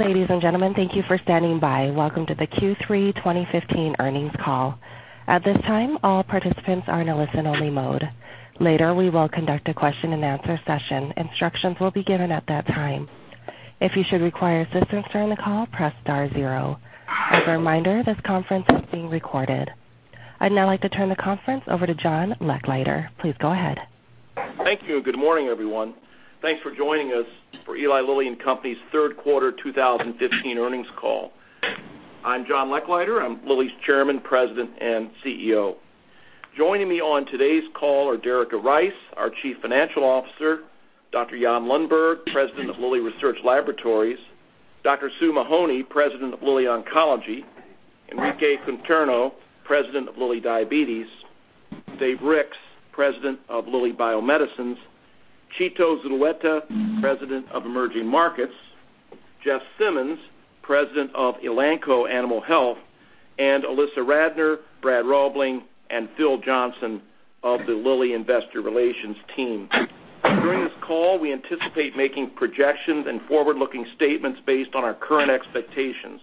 Ladies and gentlemen, thank you for standing by. Welcome to the Q3 2015 earnings call. At this time, all participants are in listen-only mode. Later, we will conduct a question-and-answer session. Instructions will be given at that time. If you should require assistance during the call, press star zero. As a reminder, this conference is being recorded. I'd now like to turn the conference over to John Lechleiter. Please go ahead. Thank you. Good morning, everyone. Thanks for joining us for Eli Lilly and Company's third quarter 2015 earnings call. I'm John Lechleiter, I'm Lilly's Chairman, President, and CEO. Joining me on today's call are Derica Rice, our Chief Financial Officer, Dr. Jan Lundberg, President of Lilly Research Laboratories, Dr. Sue Mahony, President of Lilly Oncology, Enrique Conterno, President of Lilly Diabetes, Dave Ricks, President of Lilly Bio-Medicines, Chito Zulueta, President of Emerging Markets, Jeff Simmons, President of Elanco Animal Health, and Ilissa Rassner, Brad Robling, and Phil Johnson of the Lilly Investor Relations team. During this call, we anticipate making projections and forward-looking statements based on our current expectations.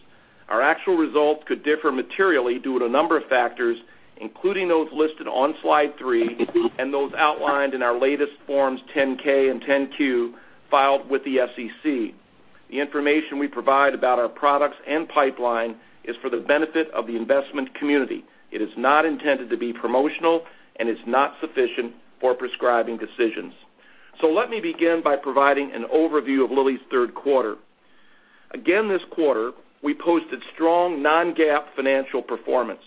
Our actual results could differ materially due to a number of factors, including those listed on slide three and those outlined in our latest forms 10-K and 10-Q filed with the SEC. The information we provide about our products and pipeline is for the benefit of the investment community. It is not intended to be promotional and is not sufficient for prescribing decisions. Let me begin by providing an overview of Lilly's third quarter. Again this quarter, we posted strong non-GAAP financial performance.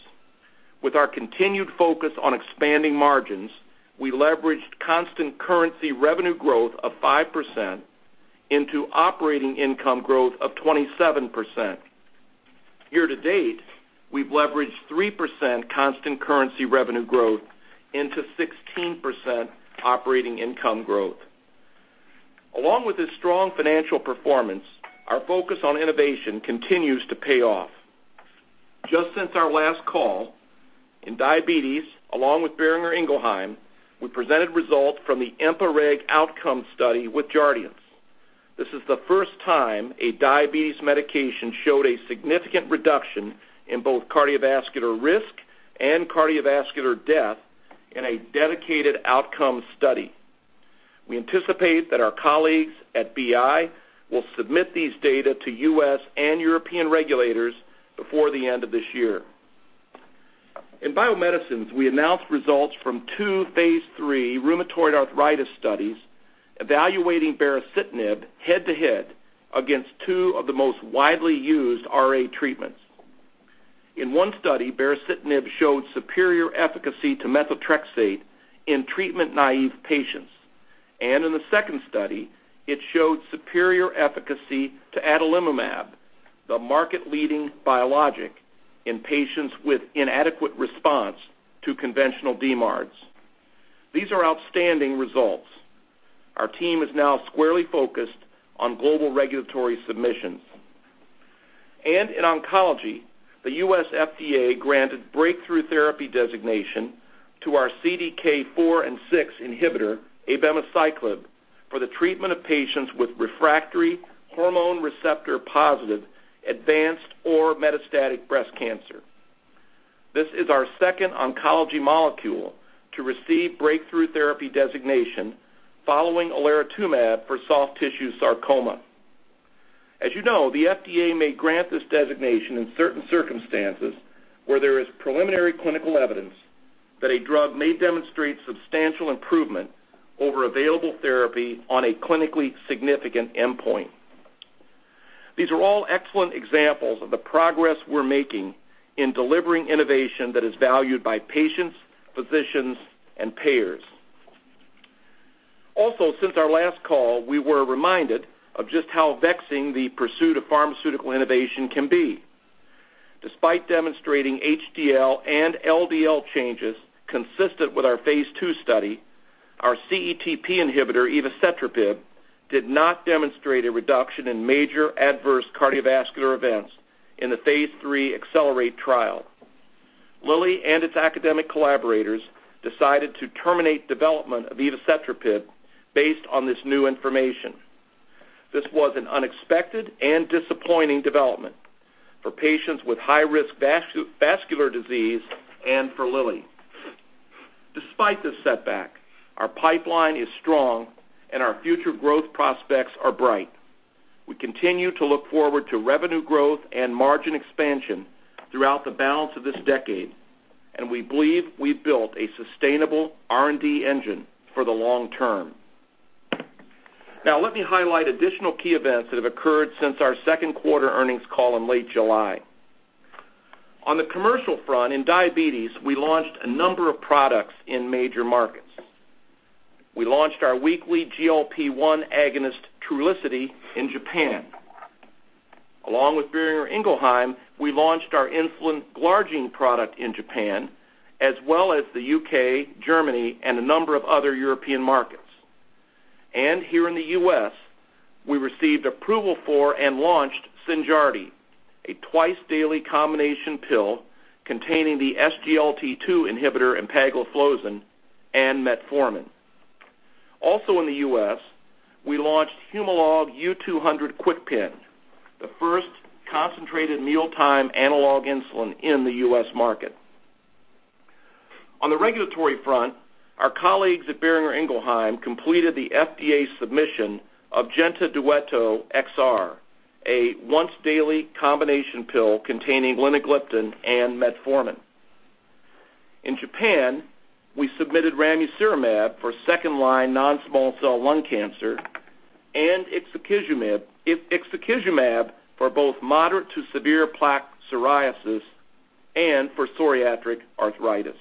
With our continued focus on expanding margins, we leveraged constant currency revenue growth of 5% into operating income growth of 27%. Year-to-date, we've leveraged 3% constant currency revenue growth into 16% operating income growth. Along with this strong financial performance, our focus on innovation continues to pay off. Just since our last call in diabetes, along with Boehringer Ingelheim, we presented results from the EMPA-REG OUTCOME study with Jardiance. This is the first time a diabetes medication showed a significant reduction in both cardiovascular risk and cardiovascular death in a dedicated outcome study. We anticipate that our colleagues at BI will submit these data to U.S. and European regulators before the end of this year. In Bio-Medicines, we announced results from two phase III rheumatoid arthritis studies evaluating baricitinib head-to-head against two of the most widely used RA treatments. In one study, baricitinib showed superior efficacy to methotrexate in treatment-naive patients. In the second study, it showed superior efficacy to adalimumab, the market-leading biologic in patients with inadequate response to conventional DMARDs. These are outstanding results. Our team is now squarely focused on global regulatory submissions. In Oncology, the U.S. FDA granted breakthrough therapy designation to our CDK4/6 inhibitor, abemaciclib, for the treatment of patients with refractory hormone receptor-positive, advanced or metastatic breast cancer. This is our second oncology molecule to receive breakthrough therapy designation following olaratumab for soft tissue sarcoma. As you know, the FDA may grant this designation in certain circumstances where there is preliminary clinical evidence that a drug may demonstrate substantial improvement over available therapy on a clinically significant endpoint. These are all excellent examples of the progress we are making in delivering innovation that is valued by patients, physicians, and payers. Since our last call, we were reminded of just how vexing the pursuit of pharmaceutical innovation can be. Despite demonstrating HDL and LDL changes consistent with our phase II study, our CETP inhibitor, evacetrapib, did not demonstrate a reduction in major adverse cardiovascular events in the phase III ACCELERATE trial. Lilly and its academic collaborators decided to terminate development of evacetrapib based on this new information. This was an unexpected and disappointing development for patients with high-risk vascular disease and for Lilly. Despite this setback, our pipeline is strong and our future growth prospects are bright. We continue to look forward to revenue growth and margin expansion throughout the balance of this decade, and we believe we have built a sustainable R&D engine for the long term. Now let me highlight additional key events that have occurred since our second quarter earnings call in late July. On the commercial front in diabetes, we launched a number of products in major markets. We launched our weekly GLP-1 agonist, Trulicity, in Japan. Along with Boehringer Ingelheim, we launched our insulin glargine product in Japan, as well as the U.K., Germany, and a number of other European markets. Here in the U.S., we received approval for and launched Synjardy, a twice-daily combination pill containing the SGLT2 inhibitor empagliflozin and metformin. Also in the U.S., we launched Humalog U-200 KwikPen, the first concentrated mealtime analog insulin in the U.S. market. On the regulatory front, our colleagues at Boehringer Ingelheim completed the FDA submission of Jentadueto XR, a once-daily combination pill containing linagliptin and metformin. In Japan, we submitted ramucirumab for second line non-small cell lung cancer and ixekizumab for both moderate to severe plaque psoriasis and for psoriatic arthritis.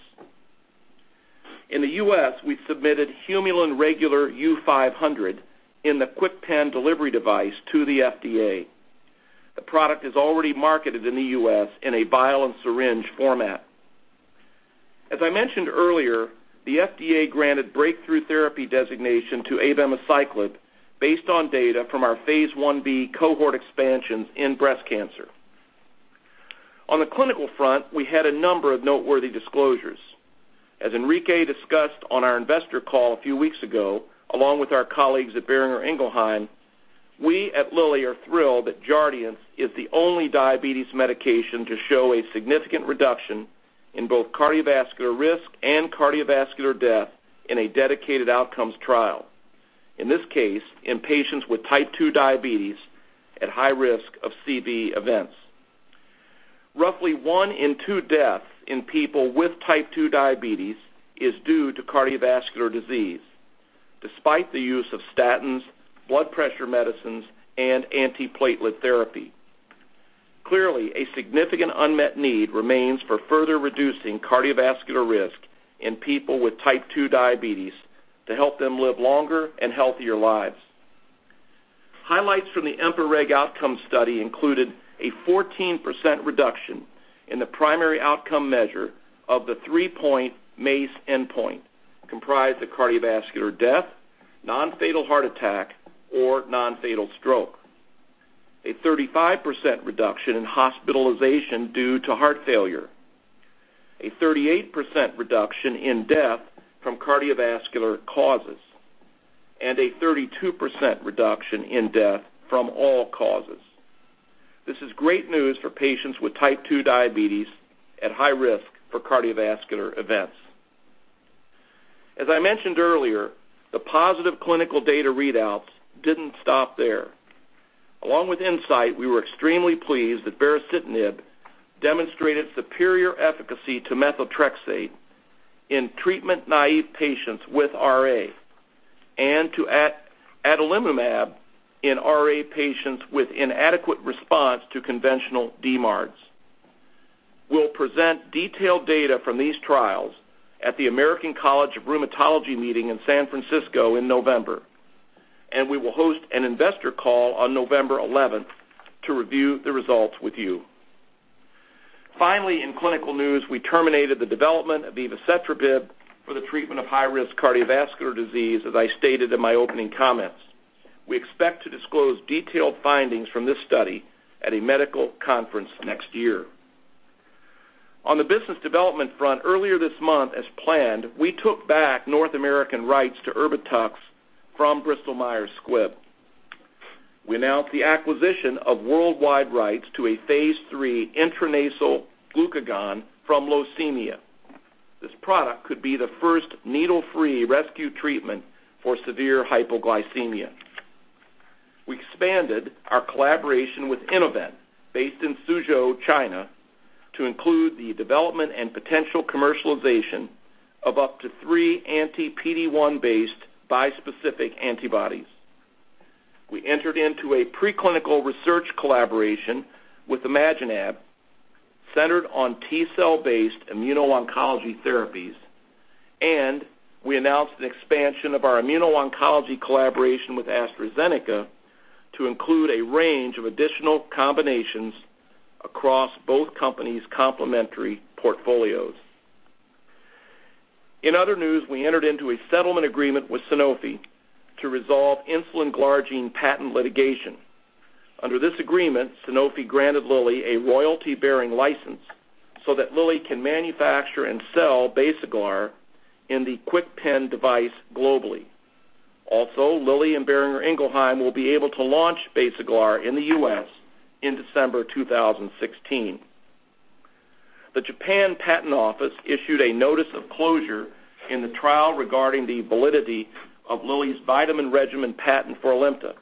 In the U.S., we submitted Humulin R U-500 in the KwikPen delivery device to the FDA. The product is already marketed in the U.S. in a vial and syringe format. As I mentioned earlier, the FDA granted breakthrough therapy designation to abemaciclib based on data from our phase I-B cohort expansions in breast cancer. On the clinical front, we had a number of noteworthy disclosures. As Enrique discussed on our investor call a few weeks ago, along with our colleagues at Boehringer Ingelheim, we at Lilly are thrilled that Jardiance is the only diabetes medication to show a significant reduction in both cardiovascular risk and cardiovascular death in a dedicated outcomes trial. In this case, in patients with type 2 diabetes at high risk of CV events. Roughly one in two deaths in people with type 2 diabetes is due to cardiovascular disease, despite the use of statins, blood pressure medicines, and antiplatelet therapy. Clearly, a significant unmet need remains for further reducing cardiovascular risk in people with type 2 diabetes to help them live longer and healthier lives. Highlights from the EMPA-REG OUTCOME study included a 14% reduction in the primary outcome measure of the three-point MACE endpoint, comprised of cardiovascular death, non-fatal heart attack, or non-fatal stroke, a 35% reduction in hospitalization due to heart failure, a 38% reduction in death from cardiovascular causes, and a 32% reduction in death from all causes. This is great news for patients with type 2 diabetes at high risk for cardiovascular events. As I mentioned earlier, the positive clinical data readouts didn't stop there. Along with Incyte, we were extremely pleased that baricitinib demonstrated superior efficacy to methotrexate in treatment-naïve patients with RA and to adalimumab in RA patients with inadequate response to conventional DMARDs. We'll present detailed data from these trials at the American College of Rheumatology meeting in San Francisco in November, and we will host an investor call on November 11th to review the results with you. Finally, in clinical news, we terminated the development of evacetrapib for the treatment of high-risk cardiovascular disease, as I stated in my opening comments. We expect to disclose detailed findings from this study at a medical conference next year. On the business development front, earlier this month, as planned, we took back North American rights to ERBITUX from Bristol Myers Squibb. We announced the acquisition of worldwide rights to a phase III intranasal glucagon from Locemia. This product could be the first needle-free rescue treatment for severe hypoglycemia. We expanded our collaboration with Innovent, based in Suzhou, China, to include the development and potential commercialization of up to three anti-PD-1-based bispecific antibodies. We entered into a preclinical research collaboration with ImaginAb, centered on T cell-based immuno-oncology therapies, and we announced an expansion of our immuno-oncology collaboration with AstraZeneca to include a range of additional combinations across both companies' complementary portfolios. In other news, we entered into a settlement agreement with Sanofi to resolve insulin glargine patent litigation. Under this agreement, Sanofi granted Lilly a royalty-bearing license so that Lilly can manufacture and sell Basaglar in the KwikPen device globally. Also, Lilly and Boehringer Ingelheim will be able to launch Basaglar in the U.S. in December 2016. The Japan Patent Office issued a notice of closure in the trial regarding the validity of Lilly's vitamin regimen patent for Alimta.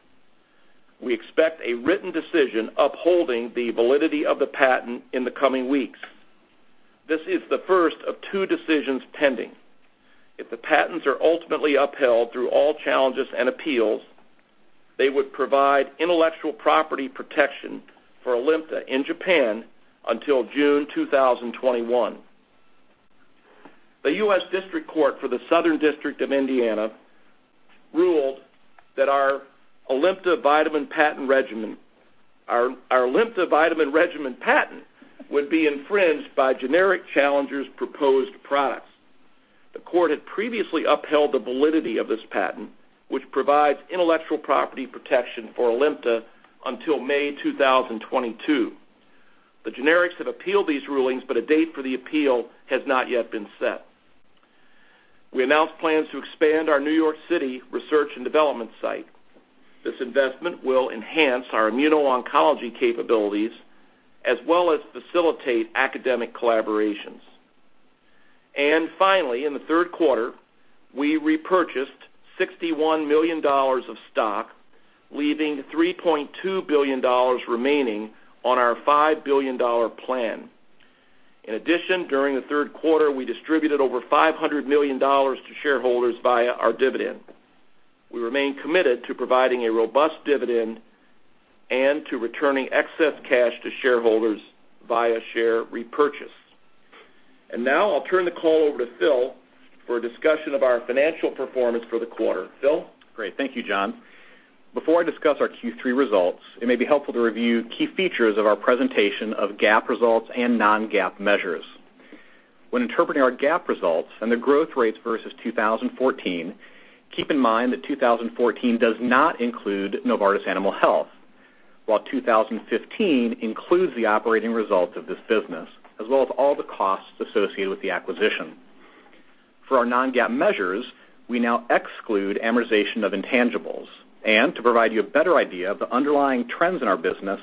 We expect a written decision upholding the validity of the patent in the coming weeks. This is the first of two decisions pending. If the patents are ultimately upheld through all challenges and appeals, they would provide intellectual property protection for Alimta in Japan until June 2021. The United States District Court for the Southern District of Indiana ruled that our Alimta vitamin regimen patent would be infringed by generic challengers' proposed products. The court had previously upheld the validity of this patent, which provides intellectual property protection for Alimta until May 2022. The generics have appealed these rulings, but a date for the appeal has not yet been set. We announced plans to expand our New York City research and development site. This investment will enhance our immuno-oncology capabilities, as well as facilitate academic collaborations. Finally, in the third quarter, we repurchased $61 million of stock, leaving $3.2 billion remaining on our $5 billion plan. In addition, during the third quarter, we distributed over $500 million to shareholders via our dividend. We remain committed to providing a robust dividend and to returning excess cash to shareholders via share repurchase. Now I'll turn the call over to Phil for a discussion of our financial performance for the quarter. Phil? Great. Thank you, John. Before I discuss our Q3 results, it may be helpful to review key features of our presentation of GAAP results and non-GAAP measures. When interpreting our GAAP results and the growth rates versus 2014, keep in mind that 2014 does not include Novartis Animal Health, while 2015 includes the operating results of this business, as well as all the costs associated with the acquisition. For our non-GAAP measures, we now exclude amortization of intangibles. To provide you a better idea of the underlying trends in our business,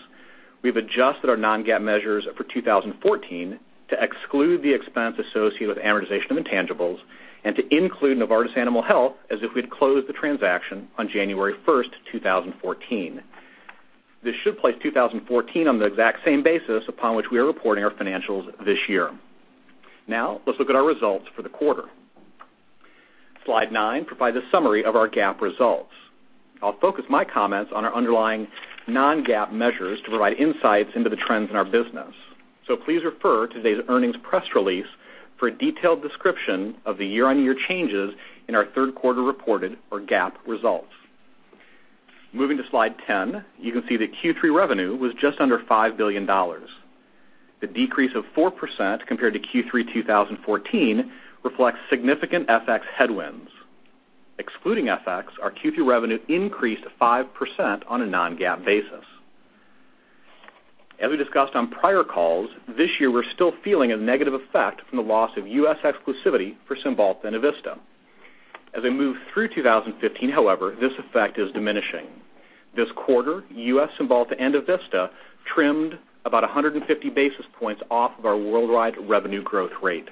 we've adjusted our non-GAAP measures for 2014 to exclude the expense associated with amortization of intangibles and to include Novartis Animal Health as if we'd closed the transaction on January 1st, 2014. This should place 2014 on the exact same basis upon which we are reporting our financials this year. Let's look at our results for the quarter. Slide 9 provides a summary of our GAAP results. I'll focus my comments on our underlying non-GAAP measures to provide insights into the trends in our business. Please refer to today's earnings press release for a detailed description of the year-on-year changes in our third quarter reported or GAAP results. Moving to Slide 10, you can see that Q3 revenue was just under $5 billion. The decrease of 4% compared to Q3 2014 reflects significant FX headwinds. Excluding FX, our Q3 revenue increased 5% on a non-GAAP basis. As we discussed on prior calls, this year we're still feeling a negative effect from the loss of U.S. exclusivity for Cymbalta and EVISTA. As we move through 2015, however, this effect is diminishing. This quarter, U.S. Cymbalta and EVISTA trimmed about 150 basis points off of our worldwide revenue growth rate.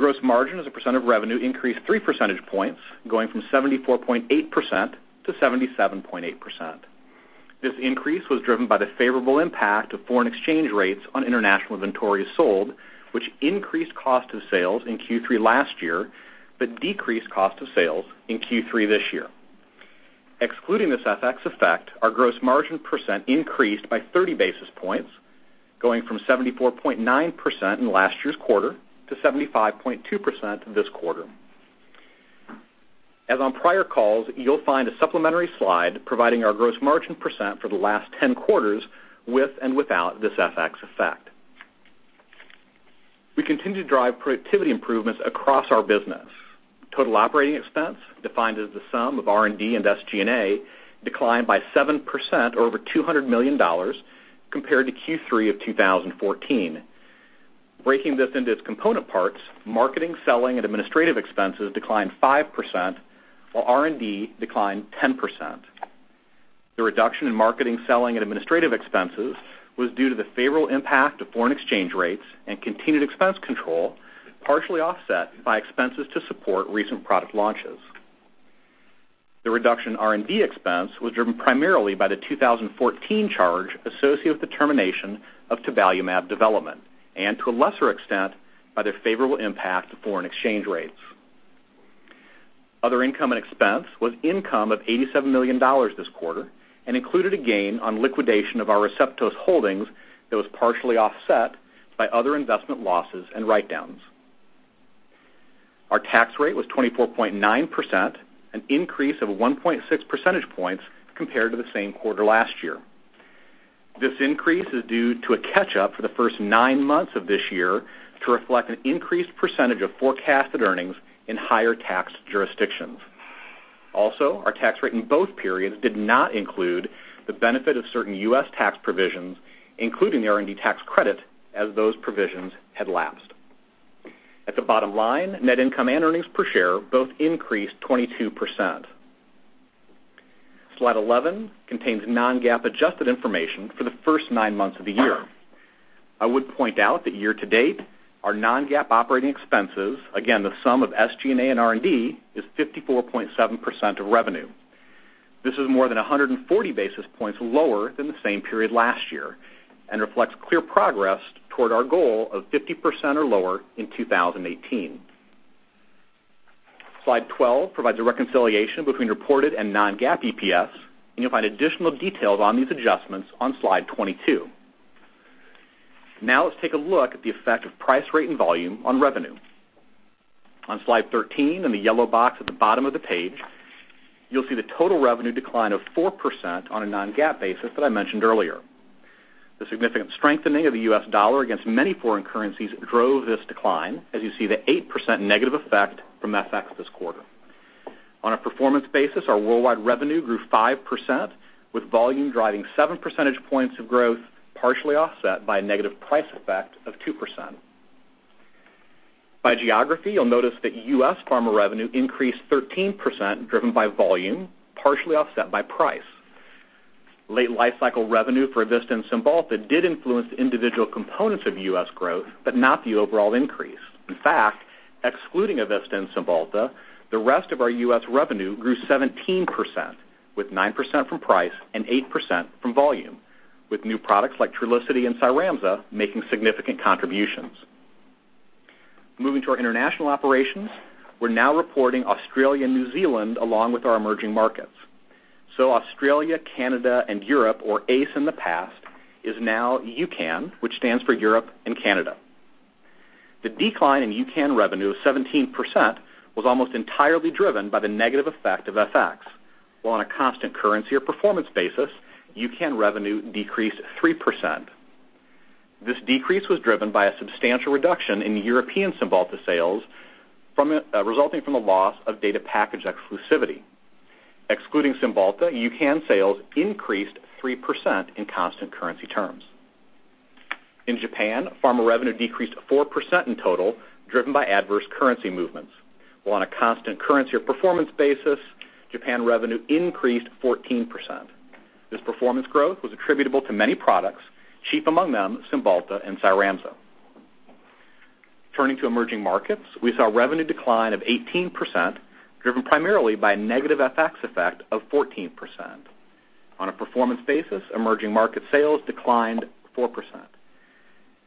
Gross margin as a percent of revenue increased 3 percentage points, going from 74.8% to 77.8%. This increase was driven by the favorable impact of foreign exchange rates on international inventories sold, which increased cost of sales in Q3 last year, but decreased cost of sales in Q3 this year. Excluding this FX effect, our gross margin percent increased by 30 basis points, going from 74.9% in last year's quarter to 75.2% this quarter. As on prior calls, you'll find a supplementary slide providing our gross margin percent for the last 10 quarters with and without this FX effect. We continue to drive productivity improvements across our business. Total operating expense, defined as the sum of R&D and SG&A, declined by 7%, or over $200 million, compared to Q3 of 2014. Breaking this into its component parts, marketing, selling, and administrative expenses declined 5%, while R&D declined 10%. The reduction in marketing, selling, and administrative expenses was due to the favorable impact of foreign exchange rates and continued expense control, partially offset by expenses to support recent product launches. The reduction in R&D expense was driven primarily by the 2014 charge associated with the termination of tabalumab development, and to a lesser extent, by the favorable impact of foreign exchange rates. Other income and expense was income of $87 million this quarter and included a gain on liquidation of our Receptos holdings that was partially offset by other investment losses and write-downs. Our tax rate was 24.9%, an increase of 1.6 percentage points compared to the same quarter last year. This increase is due to a catch-up for the first nine months of this year to reflect an increased percentage of forecasted earnings in higher tax jurisdictions. Also, our tax rate in both periods did not include the benefit of certain U.S. tax provisions, including the R&D tax credit, as those provisions had lapsed. At the bottom line, net income and earnings per share both increased 22%. Slide 11 contains non-GAAP adjusted information for the first nine months of the year. I would point out that year to date, our non-GAAP operating expenses, again, the sum of SG&A and R&D, is 54.7% of revenue. This is more than 140 basis points lower than the same period last year and reflects clear progress toward our goal of 50% or lower in 2018. Slide 12 provides a reconciliation between reported and non-GAAP EPS, and you'll find additional details on these adjustments on Slide 22. Let's take a look at the effect of price, rate, and volume on revenue. On Slide 13, in the yellow box at the bottom of the page, you'll see the total revenue decline of 4% on a non-GAAP basis that I mentioned earlier. The significant strengthening of the U.S. dollar against many foreign currencies drove this decline, as you see the 8% negative effect from FX this quarter. On a performance basis, our worldwide revenue grew 5%, with volume driving seven percentage points of growth, partially offset by a negative price effect of 2%. By geography, you'll notice that U.S. pharma revenue increased 13%, driven by volume, partially offset by price. Late lifecycle revenue for EVISTA and Cymbalta did influence the individual components of U.S. growth, but not the overall increase. In fact, excluding EVISTA and Cymbalta, the rest of our U.S. revenue grew 17%, with 9% from price and 8% from volume, with new products like Trulicity and CYRAMZA making significant contributions. Moving to our international operations, we're now reporting Australia and New Zealand along with our emerging markets. Australia, Canada, and Europe, or ACE in the past, is now EUCAN, which stands for Europe and Canada. The decline in EUCAN revenue of 17% was almost entirely driven by the negative effect of FX. While on a constant currency or performance basis, EUCAN revenue decreased 3%. This decrease was driven by a substantial reduction in European Cymbalta sales resulting from a loss of data package exclusivity. Excluding Cymbalta, EUCAN sales increased 3% in constant currency terms. In Japan, pharma revenue decreased 4% in total, driven by adverse currency movements. While on a constant currency or performance basis, Japan revenue increased 14%. This performance growth was attributable to many products, chief among them, Cymbalta and CYRAMZA. Turning to emerging markets, we saw revenue decline of 18%, driven primarily by a negative FX effect of 14%. On a performance basis, emerging market sales declined 4%.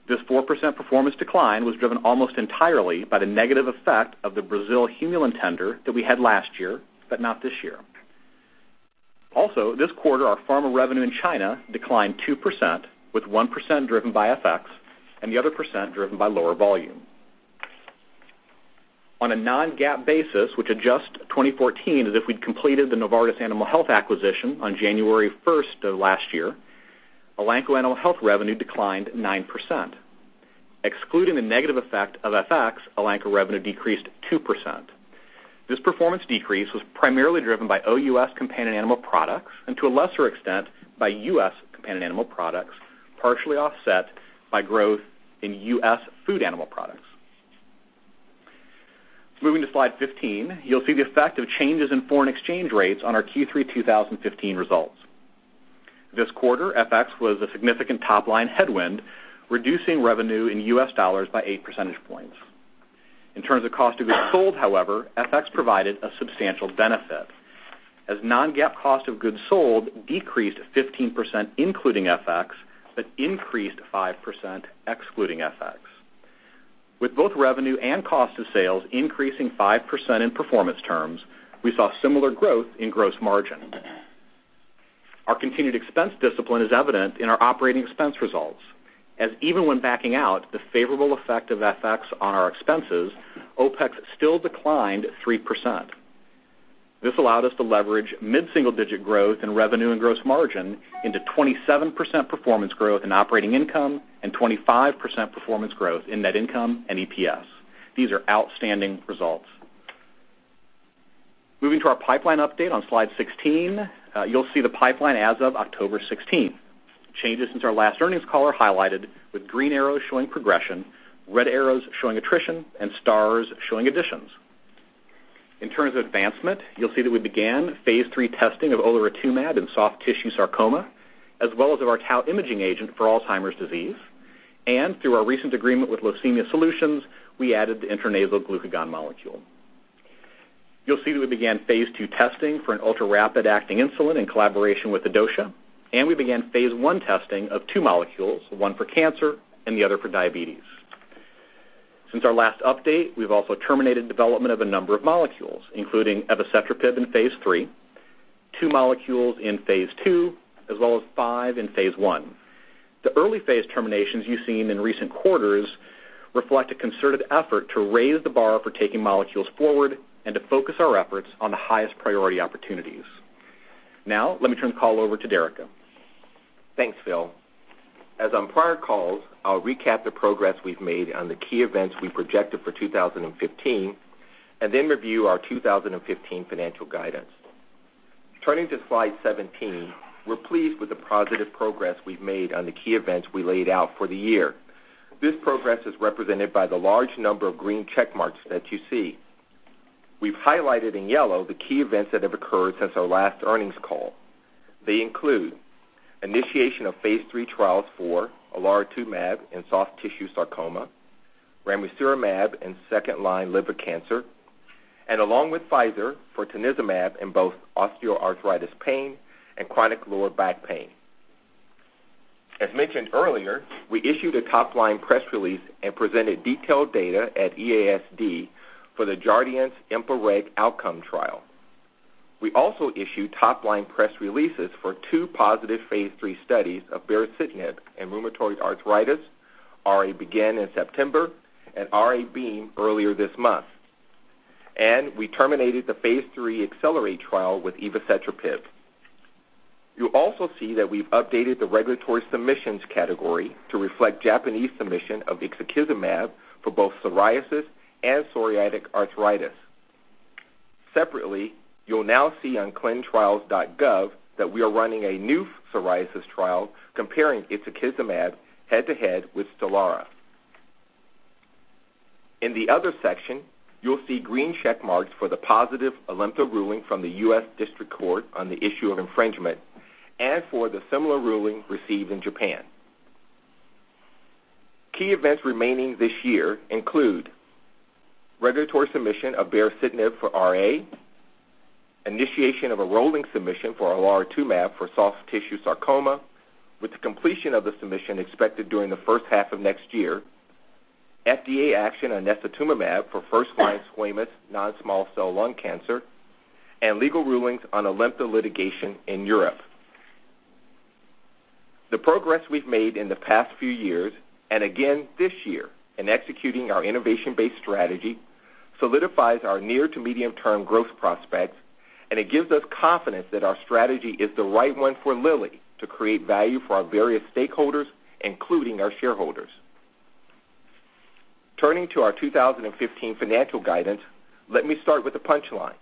This 4% performance decline was driven almost entirely by the negative effect of the Brazil Humulin tender that we had last year, but not this year. This quarter, our pharma revenue in China declined 2%, with 1% driven by FX and the other percent driven by lower volume. On a non-GAAP basis, which adjusts 2014 as if we'd completed the Novartis Animal Health acquisition on January 1st of last year, Elanco Animal Health revenue declined 9%. Excluding the negative effect of FX, Elanco revenue decreased 2%. This performance decrease was primarily driven by OUS companion animal products, and to a lesser extent, by U.S. companion animal products, partially offset by growth in U.S. food animal products. Moving to slide 15, you'll see the effect of changes in foreign exchange rates on our Q3 2015 results. This quarter, FX was a significant top-line headwind, reducing revenue in US dollars by eight percentage points. In terms of cost of goods sold, however, FX provided a substantial benefit, as non-GAAP cost of goods sold decreased 15%, including FX, but increased 5% excluding FX. With both revenue and cost of sales increasing 5% in performance terms, we saw similar growth in gross margin. Our continued expense discipline is evident in our operating expense results, as even when backing out the favorable effect of FX on our expenses, OPEX still declined 3%. This allowed us to leverage mid-single-digit growth in revenue and gross margin into 27% performance growth in operating income and 25% performance growth in net income and EPS. These are outstanding results. Moving to our pipeline update on slide 16, you'll see the pipeline as of October 16. Changes since our last earnings call are highlighted with green arrows showing progression, red arrows showing attrition, and stars showing additions. In terms of advancement, you'll see that we began phase III testing of olaratumab in soft tissue sarcoma, as well as of our tau imaging agent for Alzheimer's disease. Through our recent agreement with Locemia Solutions, we added the intranasal glucagon molecule. We began phase II testing for an ultra-rapid-acting insulin in collaboration with Adocia, and we began phase I testing of two molecules, one for cancer and the other for diabetes. Since our last update, we've also terminated development of a number of molecules, including evacetrapib in phase III, two molecules in phase II, as well as five in phase I. The early phase terminations you've seen in recent quarters reflect a concerted effort to raise the bar for taking molecules forward and to focus our efforts on the highest priority opportunities. Now, let me turn the call over to Derica. Thanks, Phil. As on prior calls, I'll recap the progress we've made on the key events we projected for 2015 and then review our 2015 financial guidance. Turning to slide 17, we're pleased with the positive progress we've made on the key events we laid out for the year. This progress is represented by the large number of green check marks that you see. We've highlighted in yellow the key events that have occurred since our last earnings call. They include initiation of phase III trials for olaratumab in soft tissue sarcoma, ramucirumab in second-line liver cancer, and along with Pfizer for tanezumab in both osteoarthritis pain and chronic lower back pain. As mentioned earlier, we issued a top-line press release and presented detailed data at EASD for the Jardiance EMPA-REG OUTCOME trial. We also issued top-line press releases for two positive phase III studies of baricitinib in rheumatoid arthritis, RA BEGIN in September and RA BEAM earlier this month. And we terminated the phase III ACCELERATE trial with evacetrapib. You also see that we've updated the regulatory submissions category to reflect Japanese submission of ixekizumab for both psoriasis and psoriatic arthritis. Separately, you'll now see on clinicaltrials.gov that we are running a new psoriasis trial comparing ixekizumab head-to-head with STELARA. In the other section, you'll see green check marks for the positive Alimta ruling from the U.S. District Court on the issue of infringement and for the similar ruling received in Japan. Key events remaining this year include regulatory submission of baricitinib for RA, initiation of a rolling submission for olaratumab for soft tissue sarcoma with the completion of the submission expected during the first half of next year, FDA action on necitumumab for first-line squamous non-small cell lung cancer, and legal rulings on Alimta litigation in Europe. The progress we've made in the past few years, and again this year in executing our innovation-based strategy, solidifies our near to medium-term growth prospects, and it gives us confidence that our strategy is the right one for Lilly to create value for our various stakeholders, including our shareholders. Turning to our 2015 financial guidance, let me start with the punchline.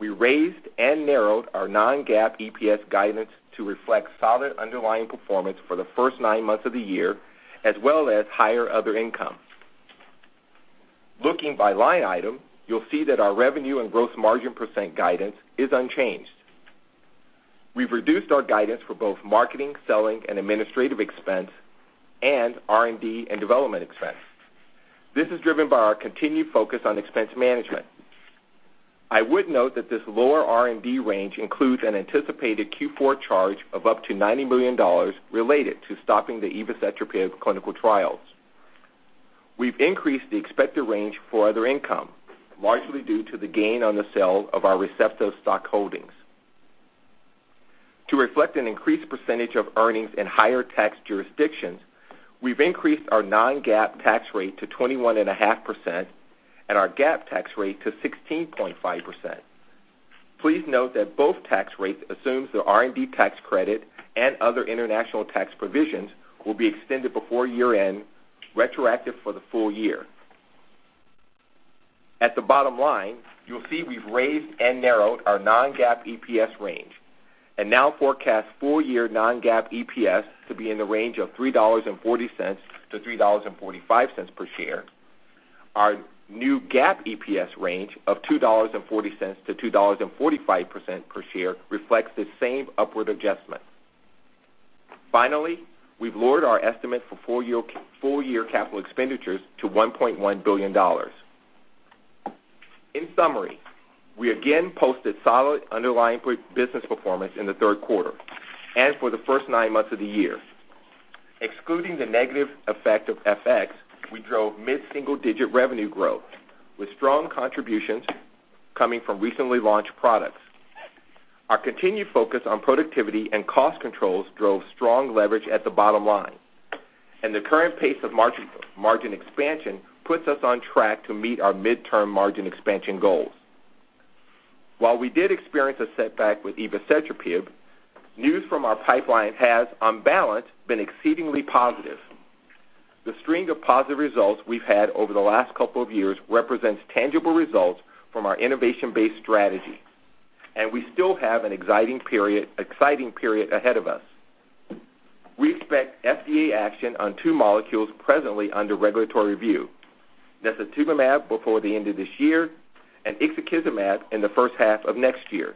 We raised and narrowed our non-GAAP EPS guidance to reflect solid underlying performance for the first nine months of the year, as well as higher other income. Looking by line item, you'll see that our revenue and gross margin % guidance is unchanged. We've reduced our guidance for both marketing, selling, and administrative expense and R&D and development expense. This is driven by our continued focus on expense management. I would note that this lower R&D range includes an anticipated Q4 charge of up to $90 million related to stopping the evacetrapib clinical trials. We've increased the expected range for other income, largely due to the gain on the sale of our Receptos stock holdings. To reflect an increased percentage of earnings in higher tax jurisdictions, we've increased our non-GAAP tax rate to 21.5% and our GAAP tax rate to 16.5%. Please note that both tax rates assumes the R&D tax credit and other international tax provisions will be extended before year-end, retroactive for the full year. At the bottom line, you'll see we've raised and narrowed our non-GAAP EPS range and now forecast full-year non-GAAP EPS to be in the range of $3.40 to $3.45 per share. Our new GAAP EPS range of $2.40 to $2.45 per share reflects the same upward adjustment. Finally, we've lowered our estimate for full-year capital expenditures to $1.1 billion. In summary, we again posted solid underlying business performance in the third quarter and for the first nine months of the year. Excluding the negative effect of FX, we drove mid-single-digit revenue growth with strong contributions coming from recently launched products. Our continued focus on productivity and cost controls drove strong leverage at the bottom line, and the current pace of margin expansion puts us on track to meet our midterm margin expansion goals. While we did experience a setback with evacetrapib, news from our pipeline has, on balance, been exceedingly positive. The string of positive results we have had over the last couple of years represents tangible results from our innovation-based strategy, and we still have an exciting period ahead of us. We expect FDA action on two molecules presently under regulatory review, necitumumab before the end of this year, and ixekizumab in the first half of next year.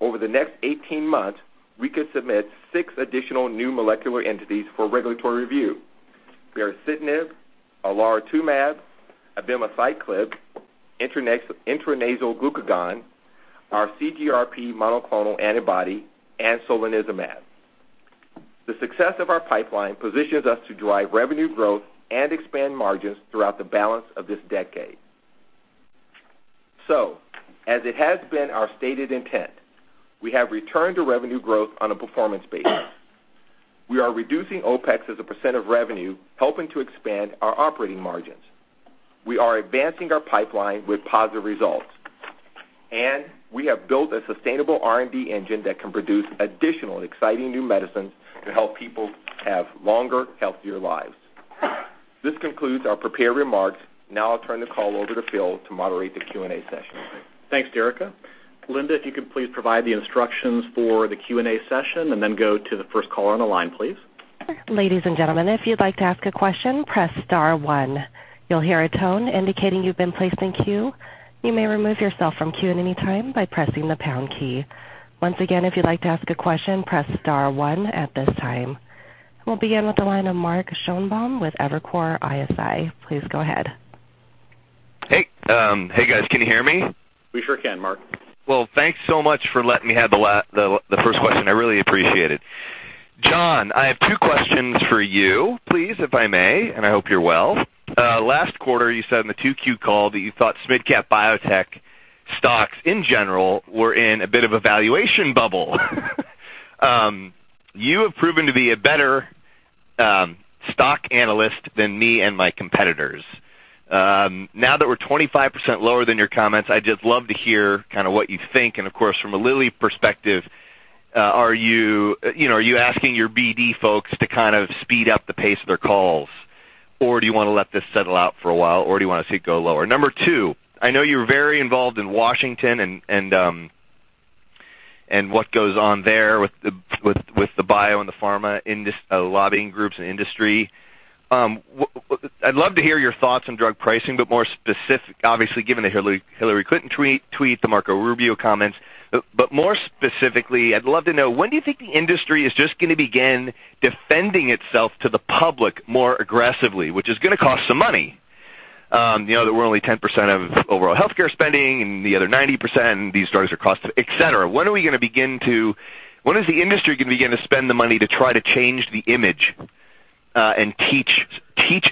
Over the next 18 months, we could submit six additional new molecular entities for regulatory review. Baricitinib, olaratumab, abemaciclib, intranasal glucagon, our CGRP monoclonal antibody, and solanezumab. The success of our pipeline positions us to drive revenue growth and expand margins throughout the balance of this decade. As it has been our stated intent, we have returned to revenue growth on a performance basis. We are reducing OPEX as a % of revenue, helping to expand our operating margins. We are advancing our pipeline with positive results, and we have built a sustainable R&D engine that can produce additional and exciting new medicines to help people have longer, healthier lives. This concludes our prepared remarks. Now I'll turn the call over to Phil to moderate the Q&A session. Thanks, Derica. Linda, if you could please provide the instructions for the Q&A session and then go to the first caller on the line, please. Ladies and gentlemen, if you'd like to ask a question, press star one. You'll hear a tone indicating you've been placed in queue. You may remove yourself from queue at any time by pressing the pound key. Once again, if you'd like to ask a question, press star one at this time. We'll begin with the line of Mark Schoenebaum with Evercore ISI. Please go ahead. Hey. Hey, guys. Can you hear me? We sure can, Mark. Well, thanks so much for letting me have the first question. I really appreciate it. John, I have two questions for you, please, if I may, and I hope you're well. Last quarter, you said on the 2Q call that you thought mid-cap biotech stocks in general were in a bit of a valuation bubble. You have proven to be a better stock analyst than me and my competitors. Now that we're 25% lower than your comments, I'd just love to hear kind of what you think. Of course, from a Lilly perspective, are you asking your BD folks to kind of speed up the pace of their calls, or do you want to let this settle out for a while, or do you want to see it go lower? Number two, I know you're very involved in Washington and what goes on there with the bio and the pharma lobbying groups and industry. I'd love to hear your thoughts on drug pricing, more specific, obviously, given the Hillary Clinton tweet, the Marco Rubio comments. More specifically, I'd love to know, when do you think the industry is just going to begin defending itself to the public more aggressively, which is going to cost some money? That we're only 10% of overall healthcare spending and the other 90% and these drugs are cost, et cetera. When is the industry going to begin to spend the money to try to change the image, and teach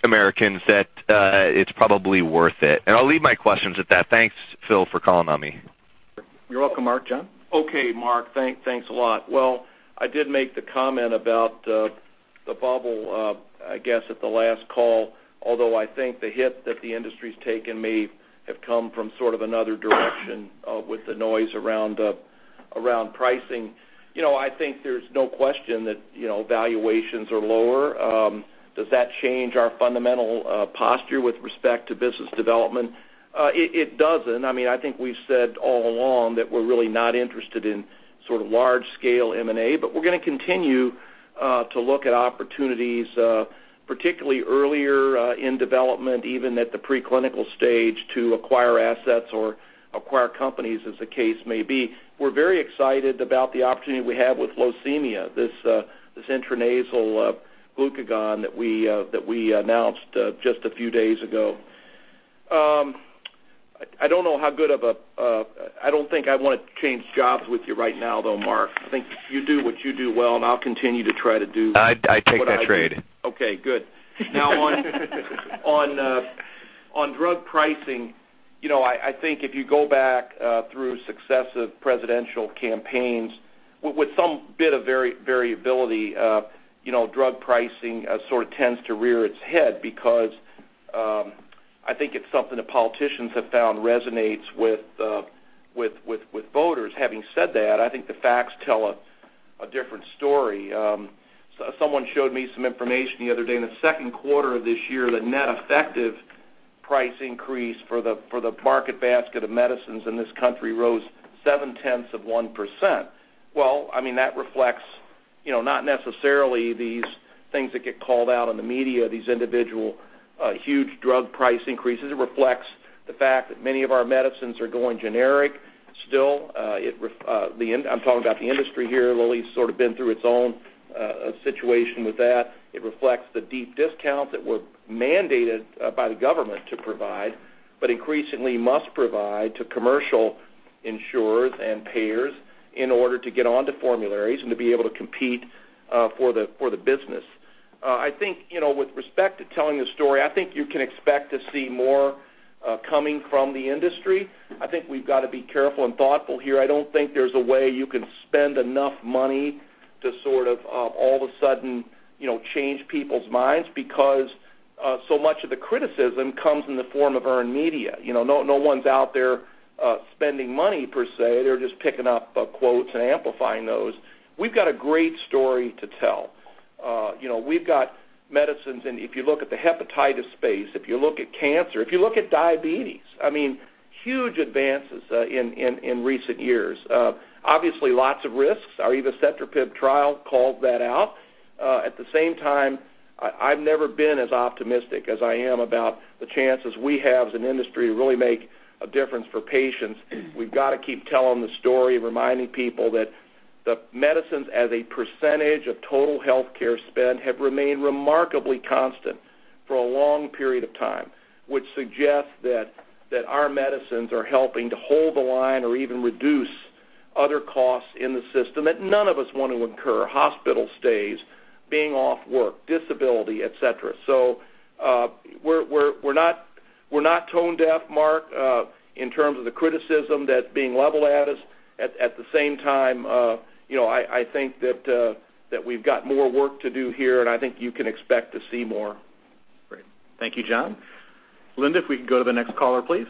Americans that it's probably worth it? I'll leave my questions at that. Thanks, Phil, for calling on me. You're welcome, Mark. John? Okay, Mark. Thanks a lot. I did make the comment about the bubble, I guess at the last call, although I think the hit that the industry's taken may have come from sort of another direction with the noise around pricing. I think there's no question that valuations are lower. Does that change our fundamental posture with respect to business development? It doesn't. I think we've said all along that we're really not interested in sort of large-scale M&A, but we're going to continue to look at opportunities, particularly earlier in development, even at the pre-clinical stage, to acquire assets or acquire companies as the case may be. We're very excited about the opportunity we have with Locemia, this intranasal glucagon that we announced just a few days ago. I don't think I want to change jobs with you right now, though, Mark. I think you do what you do well, and I'll continue to try to do what I do. I take that trade. Okay, good. On drug pricing, I think if you go back through successive presidential campaigns with some bit of variability, drug pricing sort of tends to rear its head because, I think it's something the politicians have found resonates with voters. Having said that, I think the facts tell a different story. Someone showed me some information the other day. In the second quarter of this year, the net effective price increase for the market basket of medicines in this country rose 0.7%. That reflects not necessarily these things that get called out in the media, these individual huge drug price increases. It reflects the fact that many of our medicines are going generic still. I'm talking about the industry here. Lilly's sort of been through its own situation with that. It reflects the deep discounts that we're mandated by the government to provide, but increasingly must provide to commercial insurers and payers in order to get onto formularies and to be able to compete for the business. I think with respect to telling the story, I think you can expect to see more coming from the industry. I think we've got to be careful and thoughtful here. I don't think there's a way you can spend enough money to sort of all of a sudden change people's minds because so much of the criticism comes in the form of earned media. No one's out there spending money per se. They're just picking up quotes and amplifying those. We've got a great story to tell. We've got medicines, if you look at the hepatitis space, if you look at cancer, if you look at diabetes, huge advances in recent years. Obviously lots of risks. Our evacetrapib trial called that out. I've never been as optimistic as I am about the chances we have as an industry to really make a difference for patients. We've got to keep telling the story, reminding people that the medicines as a percentage of total healthcare spend have remained remarkably constant for a long period of time, which suggests that our medicines are helping to hold the line or even reduce other costs in the system that none of us want to incur. Hospital stays, being off work, disability, et cetera. We're not tone deaf, Marc, in terms of the criticism that's being leveled at us. I think that we've got more work to do here, and I think you can expect to see more. Great. Thank you, John. Linda, if we could go to the next caller, please.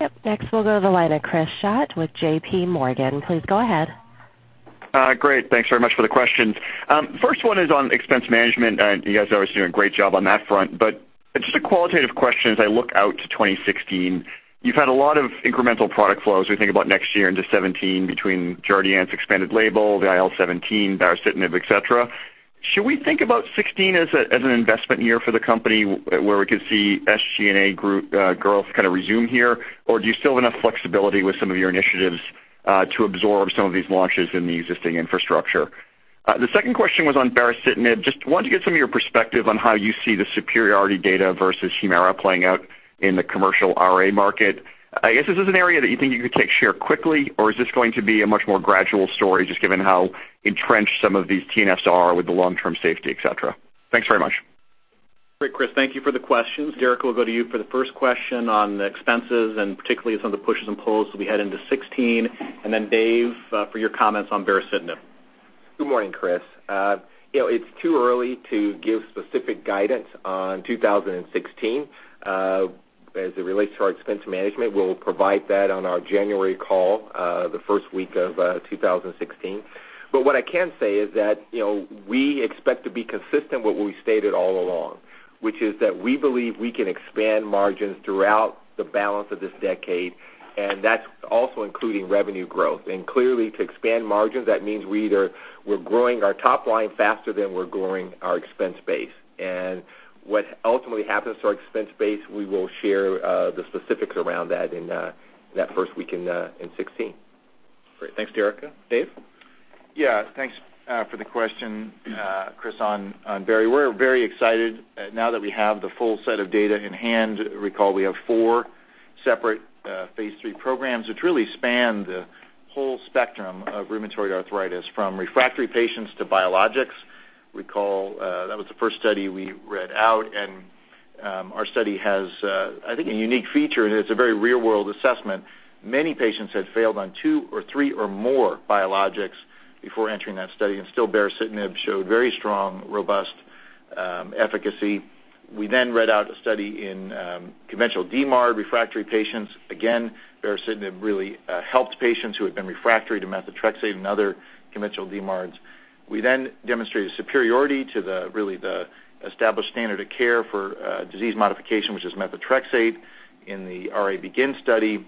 Yep. Next, we will go to the line of Chris Schott with JPMorgan. Please go ahead. Great. Thanks very much for the questions. First one is on expense management. You guys are obviously doing a great job on that front. Just a qualitative question as I look out to 2016. You have had a lot of incremental product flows as we think about next year into 2017 between Jardiance expanded label, the IL-17, baricitinib, et cetera. Should we think about 2016 as an investment year for the company where we could see SG&A growth kind of resume here, or do you still have enough flexibility with some of your initiatives to absorb some of these launches in the existing infrastructure? The second question was on baricitinib. Just wanted to get some of your perspective on how you see the superiority data versus HUMIRA playing out in the commercial RA market. I guess, is this an area that you think you could take share quickly, or is this going to be a much more gradual story, just given how entrenched some of these TNFs are with the long-term safety, et cetera? Thanks very much. Great, Chris, thank you for the questions. Derica will go to you for the first question on expenses and particularly some of the pushes and pulls as we head into 2016. David, for your comments on baricitinib. Good morning, Chris. It's too early to give specific guidance on 2016 as it relates to our expense management. We'll provide that on our January call, the first week of 2016. What I can say is that we expect to be consistent with what we stated all along, which is that we believe we can expand margins throughout the balance of this decade, and that's also including revenue growth. Clearly, to expand margins, that means we either we're growing our top line faster than we're growing our expense base. What ultimately happens to our expense base, we will share the specifics around that in that first week in 2016. Great. Thanks, Derica. Dave? Yeah. Thanks for the question, Chris, on bari. We're very excited now that we have the full set of data in hand. Recall we have four separate phase III programs, which really span the whole spectrum of rheumatoid arthritis, from refractory patients to biologics. Recall, that was the first study we read out, our study has, I think, a unique feature, it's a very real-world assessment. Many patients had failed on two or three or more biologics before entering that study, still baricitinib showed very strong, robust efficacy. We read out a study in conventional DMARD refractory patients. Again, baricitinib really helped patients who had been refractory to methotrexate and other conventional DMARDs. We demonstrated superiority to the established standard of care for disease modification, which is methotrexate in the RA BEGIN study,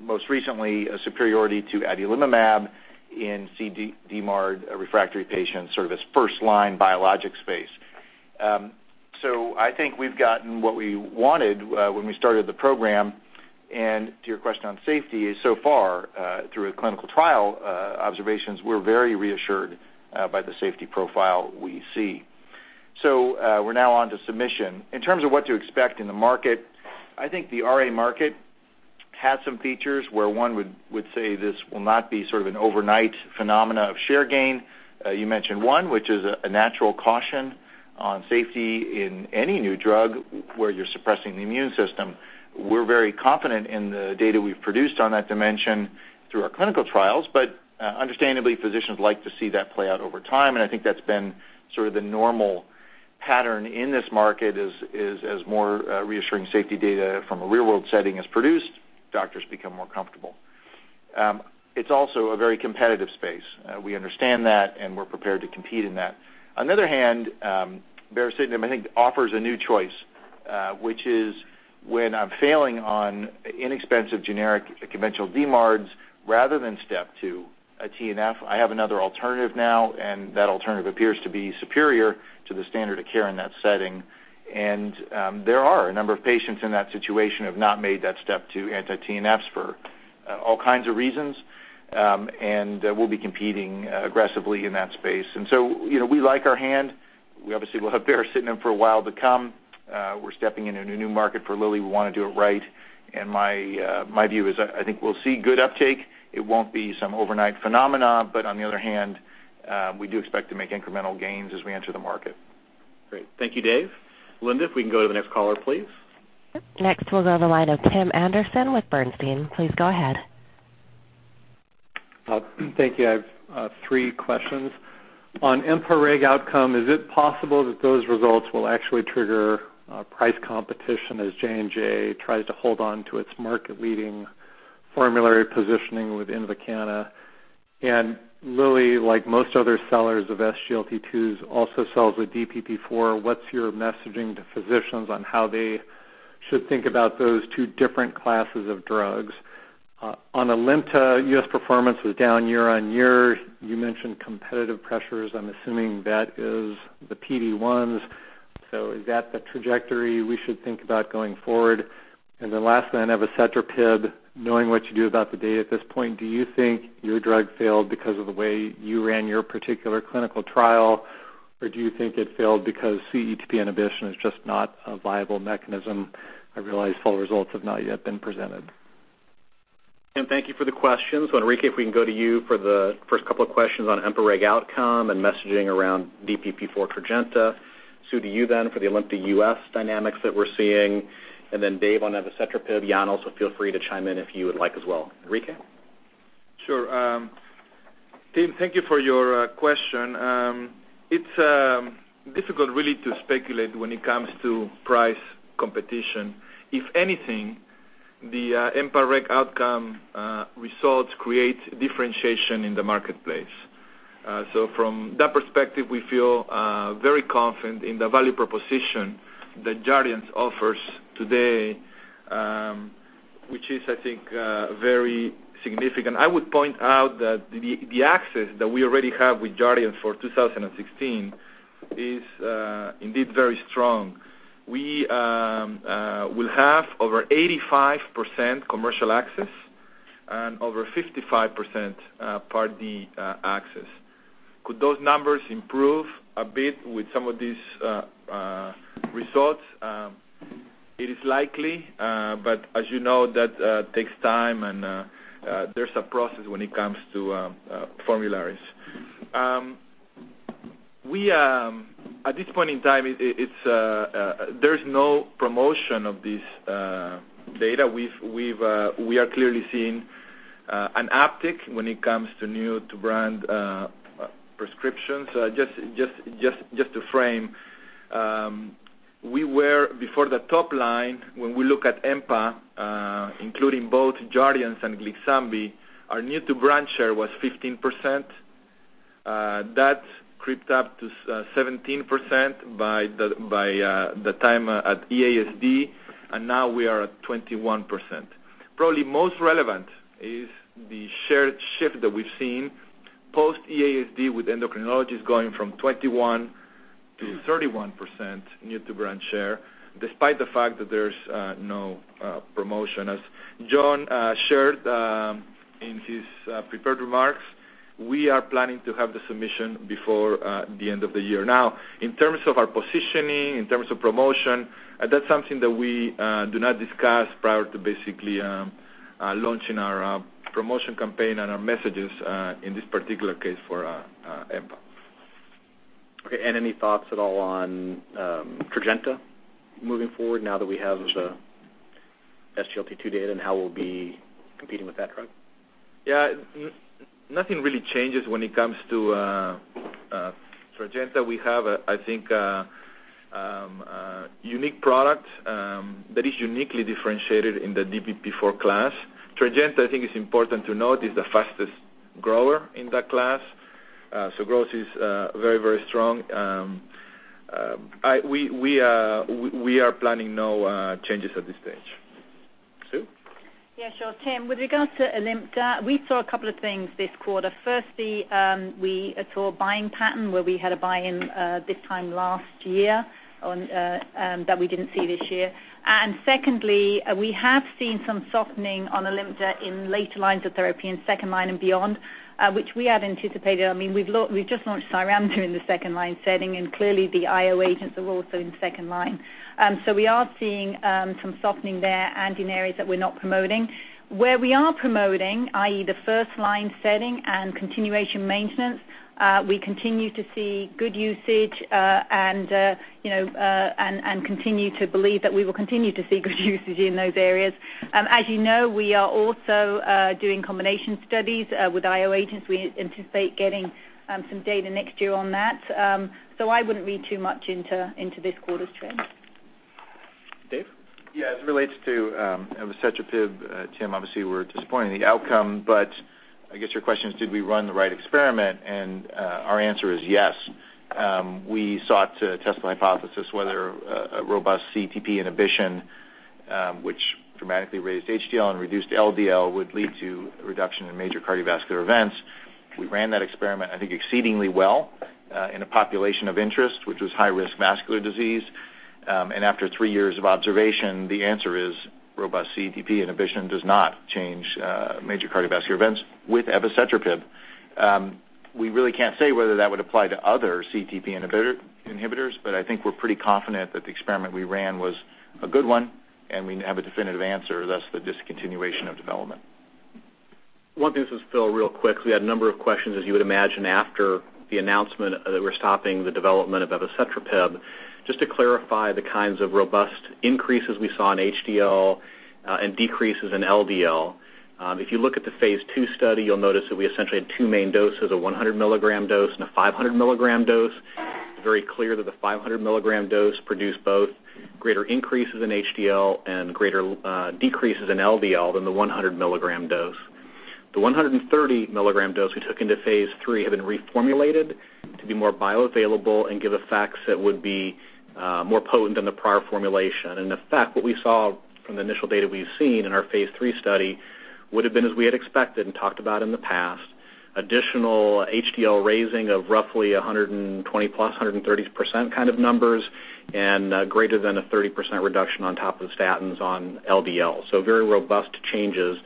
most recently, a superiority to adalimumab in cDMARD refractory patients, sort of this first-line biologic space. I think we've gotten what we wanted when we started the program. To your question on safety, so far, through clinical trial observations, we're very reassured by the safety profile we see. We're now on to submission. In terms of what to expect in the market, I think the RA market has some features where one would say this will not be sort of an overnight phenomena of share gain. You mentioned one, which is a natural caution on safety in any new drug where you're suppressing the immune system. We're very confident in the data we've produced on that dimension through our clinical trials. Understandably, physicians like to see that play out over time, and I think that's been sort of the normal pattern in this market is as more reassuring safety data from a real-world setting is produced, doctors become more comfortable. It's also a very competitive space. We understand that, and we're prepared to compete in that. On the other hand, baricitinib, I think, offers a new choice, which is when I'm failing on inexpensive generic conventional DMARDs, rather than step to a TNF, I have another alternative now, and that alternative appears to be superior to the standard of care in that setting. There are a number of patients in that situation who have not made that step to anti-TNFs for all kinds of reasons, we'll be competing aggressively in that space. So we like our hand. We obviously will have baricitinib for a while to come. We're stepping into a new market for Lilly. We want to do it right, and my view is I think we'll see good uptake. It won't be some overnight phenomena, but on the other hand, we do expect to make incremental gains as we enter the market. Great. Thank you, Dave. Linda, if we can go to the next caller, please. Next, we'll go to the line of Tim Anderson with Bernstein. Please go ahead. Thank you. I have three questions. On EMPA-REG OUTCOME, is it possible that those results will actually trigger price competition as J&J tries to hold on to its market-leading formulary positioning with INVOKANA? Lilly, like most other sellers of SGLT2s, also sells with DPP-4. What's your messaging to physicians on how they should think about those two different classes of drugs? On Alimta, U.S. performance was down year-on-year. You mentioned competitive pressures. I'm assuming that is the PD-1s. Is that the trajectory we should think about going forward? Lastly, on evacetrapib, knowing what you do about the data at this point, do you think your drug failed because of the way you ran your particular clinical trial, or do you think it failed because CETP inhibition is just not a viable mechanism? I realize full results have not yet been presented. Tim, thank you for the questions. Enrique, if we can go to you for the first couple of questions on EMPA-REG OUTCOME and messaging around DPP-4 Tradjenta. Sue, to you then for the Alimta U.S. dynamics that we're seeing. Then Dave on evacetrapib. Jan, also feel free to chime in if you would like as well. Enrique? Sure. Tim, thank you for your question. It's difficult really to speculate when it comes to price competition. If anything, the EMPA-REG OUTCOME results create differentiation in the marketplace. From that perspective, we feel very confident in the value proposition that Jardiance offers today, which is, I think, very significant. I would point out that the access that we already have with Jardiance for 2016 is indeed very strong. We will have over 85% commercial access and over 55% Part D access. Could those numbers improve a bit with some of these results? It is likely, but as you know, that takes time, and there's a process when it comes to formularies. At this point in time, there's no promotion of this data. We are clearly seeing an uptick when it comes to new to brand prescriptions. Just to frame, before the top line, when we look at EMPA, including both Jardiance and Glyxambi, our new to brand share was 15%. That crept up to 17% by the time at EASD. Now we are at 21%. Probably most relevant is the shared shift that we've seen post-EASD with endocrinologists going from 21% to 31% new to brand share, despite the fact that there's no promotion. As John shared in his prepared remarks, we are planning to have the submission before the end of the year. In terms of our positioning, in terms of promotion, that's something that we do not discuss prior to basically launching our promotion campaign and our messages, in this particular case, for EMPA. Okay, any thoughts at all on Tradjenta moving forward now that we have the SGLT2 data and how we'll be competing with that drug? Yeah. Nothing really changes when it comes to Tradjenta. We have, I think, a unique product that is uniquely differentiated in the DPP-4 class. Tradjenta, I think it's important to note, is the fastest grower in that class. Growth is very strong. We are planning no changes at this stage. Sue? Yeah, sure. Tim, with regards to Alimta, we saw a couple of things this quarter. Firstly, we saw a buying pattern where we had a buy-in this time last year that we didn't see this year. Secondly, we have seen some softening on Alimta in later lines of therapy in second line and beyond, which we had anticipated. I mean, we've just launched CYRAMZA in the second line setting, and clearly the IO agents are also in second line. We are seeing some softening there and in areas that we're not promoting. Where we are promoting, i.e., the first-line setting and continuation maintenance, we continue to see good usage and continue to believe that we will continue to see good usage in those areas. As you know, we are also doing combination studies with IO agents. We anticipate getting some data next year on that. I wouldn't read too much into this quarter's trends. Dave? Yeah. As it relates to evacetrapib, Tim, obviously, we're disappointed in the outcome, I guess your question is did we run the right experiment? Our answer is yes. We sought to test the hypothesis whether a robust CETP inhibition, which dramatically raised HDL and reduced LDL, would lead to a reduction in major cardiovascular events. We ran that experiment, I think, exceedingly well in a population of interest, which was high-risk vascular disease. After three years of observation, the answer is robust CETP inhibition does not change major cardiovascular events with evacetrapib. I think we're pretty confident that the experiment we ran was a good one. We have a definitive answer, thus the discontinuation of development. One thing, this is Phil, real quick, because we had a number of questions, as you would imagine, after the announcement that we're stopping the development of evacetrapib, just to clarify the kinds of robust increases we saw in HDL and decreases in LDL. If you look at the phase II study, you'll notice that we essentially had two main doses, a 100 milligram dose and a 500 milligram dose. It's very clear that the 500 milligram dose produced both greater increases in HDL and greater decreases in LDL than the 100 milligram dose. The 130 milligram dose we took into phase III had been reformulated to be more bioavailable and give effects that would be more potent than the prior formulation. In fact, what we saw from the initial data we've seen in our phase III study would've been as we had expected and talked about in the past, additional HDL raising of roughly 120 plus, 130% kind of numbers, and greater than a 30% reduction on top of the statins on LDL. Very robust changes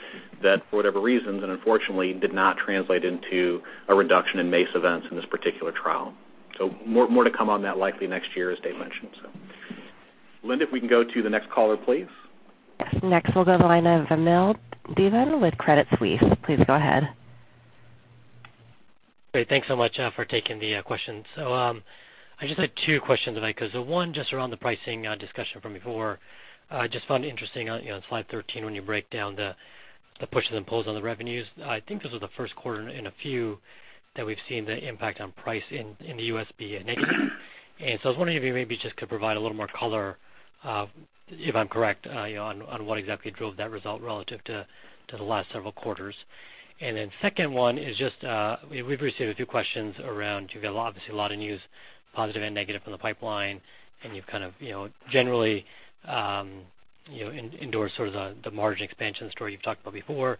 that, for whatever reasons, unfortunately did not translate into a reduction in MACE events in this particular trial. More to come on that likely next year, as Dave mentioned. Linda, if we can go to the next caller, please. Yes. Next we'll go to the line of Vamil Divan with Credit Suisse. Please go ahead. Great. Thanks so much for taking the questions. I just had two questions. One, just around the pricing discussion from before. I just found it interesting on slide 13 when you break down the pushes and pulls on the revenues. I think this was the first quarter in a few that we've seen the impact on price in the U.S. be a negative. I was wondering if I maybe just could provide a little more color, if I'm correct, on what exactly drove that result relative to the last several quarters. Second one is just, we've received a few questions around, you've got obviously a lot of news, positive and negative from the pipeline, and you've kind of generally endorsed sort of the margin expansion story you've talked about before.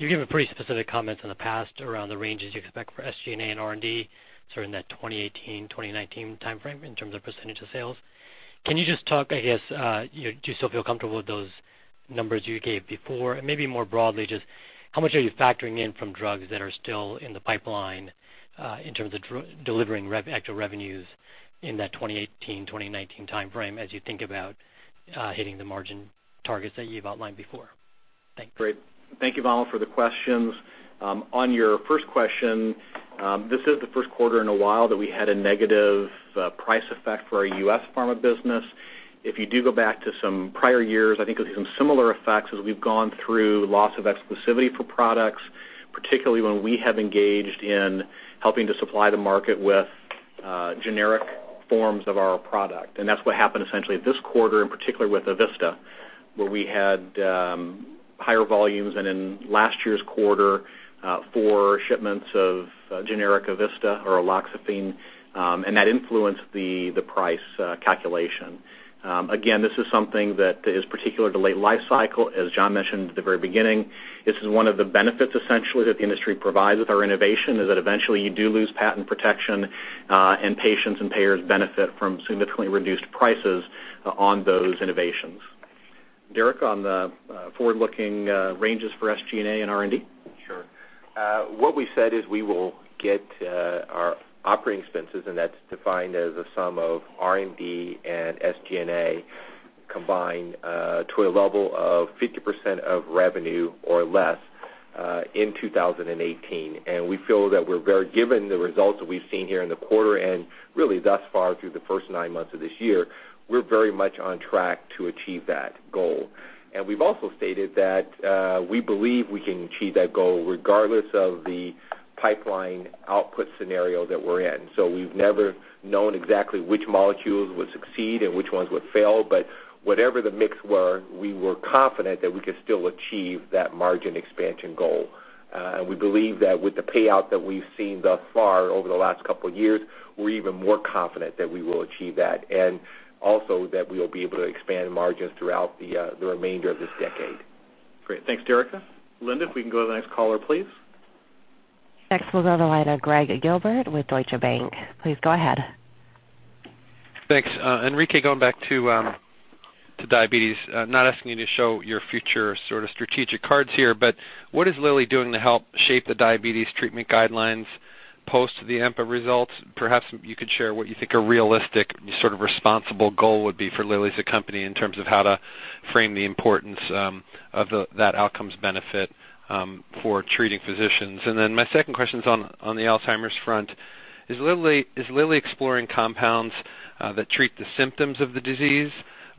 You've given pretty specific comments in the past around the ranges you expect for SG&A and R&D, sort of in that 2018, 2019 timeframe in terms of % of sales. Can you just talk, I guess, do you still feel comfortable with those numbers you gave before? Maybe more broadly, just how much are you factoring in from drugs that are still in the pipeline, in terms of delivering actual revenues in that 2018, 2019 timeframe as you think about hitting the margin targets that you've outlined before? Great. Thank you, Vamil, for the questions. On your first question, this is the first quarter in a while that we had a negative price effect for our U.S. pharma business. If you do go back to some prior years, I think you'll see some similar effects as we've gone through loss of exclusivity for products, particularly when we have engaged in helping to supply the market with generic forms of our product. That's what happened essentially this quarter, in particular with EVISTA, where we had higher volumes than in last year's quarter for shipments of generic EVISTA or raloxifene, and that influenced the price calculation. Again, this is something that is particular to late life cycle, as John mentioned at the very beginning. This is one of the benefits, essentially, that the industry provides with our innovation, is that eventually you do lose patent protection, and patients and payers benefit from significantly reduced prices on those innovations. Derica, on the forward-looking ranges for SG&A and R&D? Sure. What we said is we will get our operating expenses, and that's defined as a sum of R&D and SG&A combined to a level of 50% of revenue or less, in 2018. We feel that given the results that we've seen here in the quarter and really thus far through the first nine months of this year, we're very much on track to achieve that goal. We've also stated that we believe we can achieve that goal regardless of the pipeline output scenario that we're in. We've never known exactly which molecules would succeed and which ones would fail, but whatever the mix were, we were confident that we could still achieve that margin expansion goal. We believe that with the payout that we've seen thus far over the last couple of years, we're even more confident that we will achieve that, and also that we will be able to expand margins throughout the remainder of this decade. Great. Thanks, Derica. Linda, if we can go to the next caller, please. Next, we'll go to the line of Gregg Gilbert with Deutsche Bank. Please go ahead. Thanks. Enrique, going back to diabetes, not asking you to show your future sort of strategic cards here, but what is Lilly doing to help shape the diabetes treatment guidelines post the empagliflozin results? Perhaps you could share what you think a realistic, sort of responsible goal would be for Lilly as a company in terms of how to frame the importance of that outcomes benefit for treating physicians. My second question's on the Alzheimer's front. Is Lilly exploring compounds that treat the symptoms of the disease,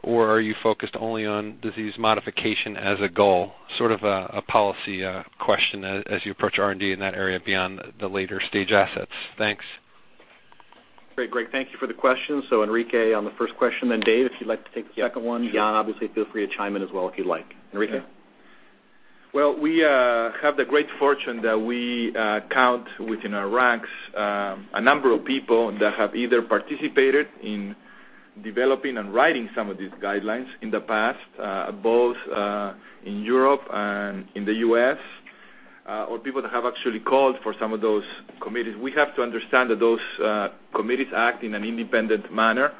or are you focused only on disease modification as a goal? Sort of a policy question as you approach R&D in that area beyond the later stage assets. Thanks. Great, Gregg. Thank you for the question. Enrique on the first question, then Dave, if you'd like to take the second one. John, obviously feel free to chime in as well if you'd like. Enrique? Well, we have the great fortune that we count within our ranks a number of people that have either participated in developing and writing some of these guidelines in the past, both in Europe and in the U.S., or people that have actually called for some of those committees. We have to understand that those committees act in an independent manner.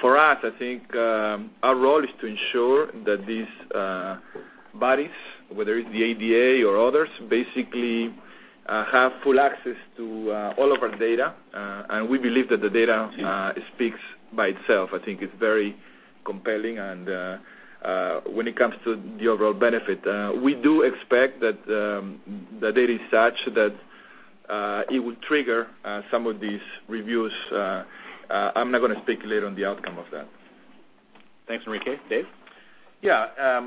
For us, I think our role is to ensure that these bodies, whether it's the ADA or others, basically have full access to all of our data. We believe that the data speaks by itself. I think it's very compelling when it comes to the overall benefit. We do expect that the data is such that it would trigger some of these reviews. I'm not going to speculate on the outcome of that. Thanks, Enrique. Dave? Yeah.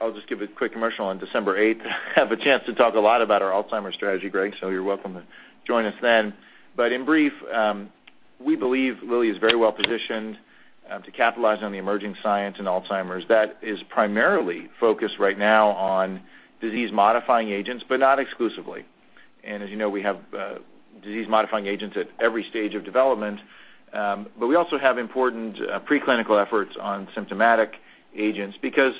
I'll just give a quick commercial. On December 8th, I have a chance to talk a lot about our Alzheimer's strategy, Gregg, you're welcome to join us then. In brief, we believe Lilly is very well positioned to capitalize on the emerging science in Alzheimer's that is primarily focused right now on disease-modifying agents, but not exclusively. As you know, we have disease-modifying agents at every stage of development. We also have important preclinical efforts on symptomatic agents because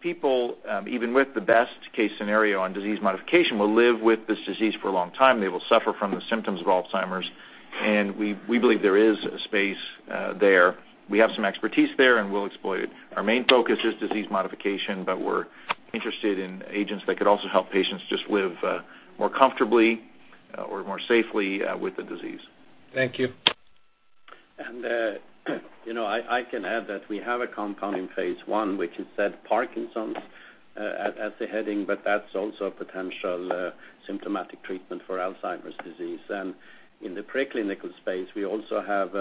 people, even with the best case scenario on disease modification, will live with this disease for a long time. They will suffer from the symptoms of Alzheimer's, and we believe there is a space there. We have some expertise there, and we'll exploit it. Our main focus is disease modification, we're interested in agents that could also help patients just live more comfortably or more safely with the disease. Thank you. I can add that we have a compound in phase I, which it said Parkinson's as the heading, but that's also a potential symptomatic treatment for Alzheimer's disease. In the preclinical space, we also have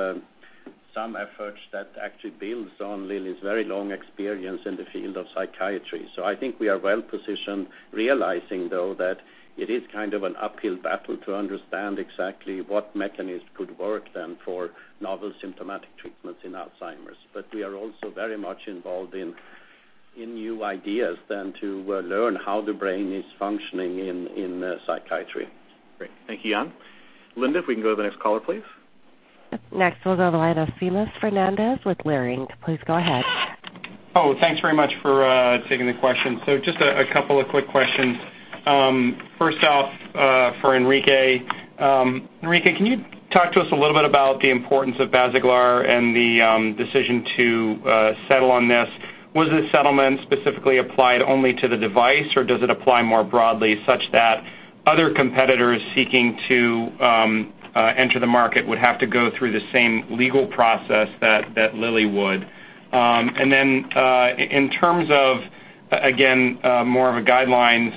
some efforts that actually builds on Lilly's very long experience in the field of psychiatry. I think we are well positioned, realizing though, that it is kind of an uphill battle to understand exactly what mechanism could work then for novel symptomatic treatments in Alzheimer's. We are also very much involved in new ideas then to learn how the brain is functioning in psychiatry. Great. Thank you, Jan. Linda, if we can go to the next caller, please. Next, we'll go to the line of Seamus Fernandez with Leerink. Please go ahead. Thanks very much for taking the question. Just a couple of quick questions. First off, for Enrique. Enrique, can you talk to us a little bit about the importance of Basaglar and the decision to settle on this? Was the settlement specifically applied only to the device, or does it apply more broadly such that other competitors seeking to enter the market would have to go through the same legal process that Lilly would. In terms of, again, more of a guidelines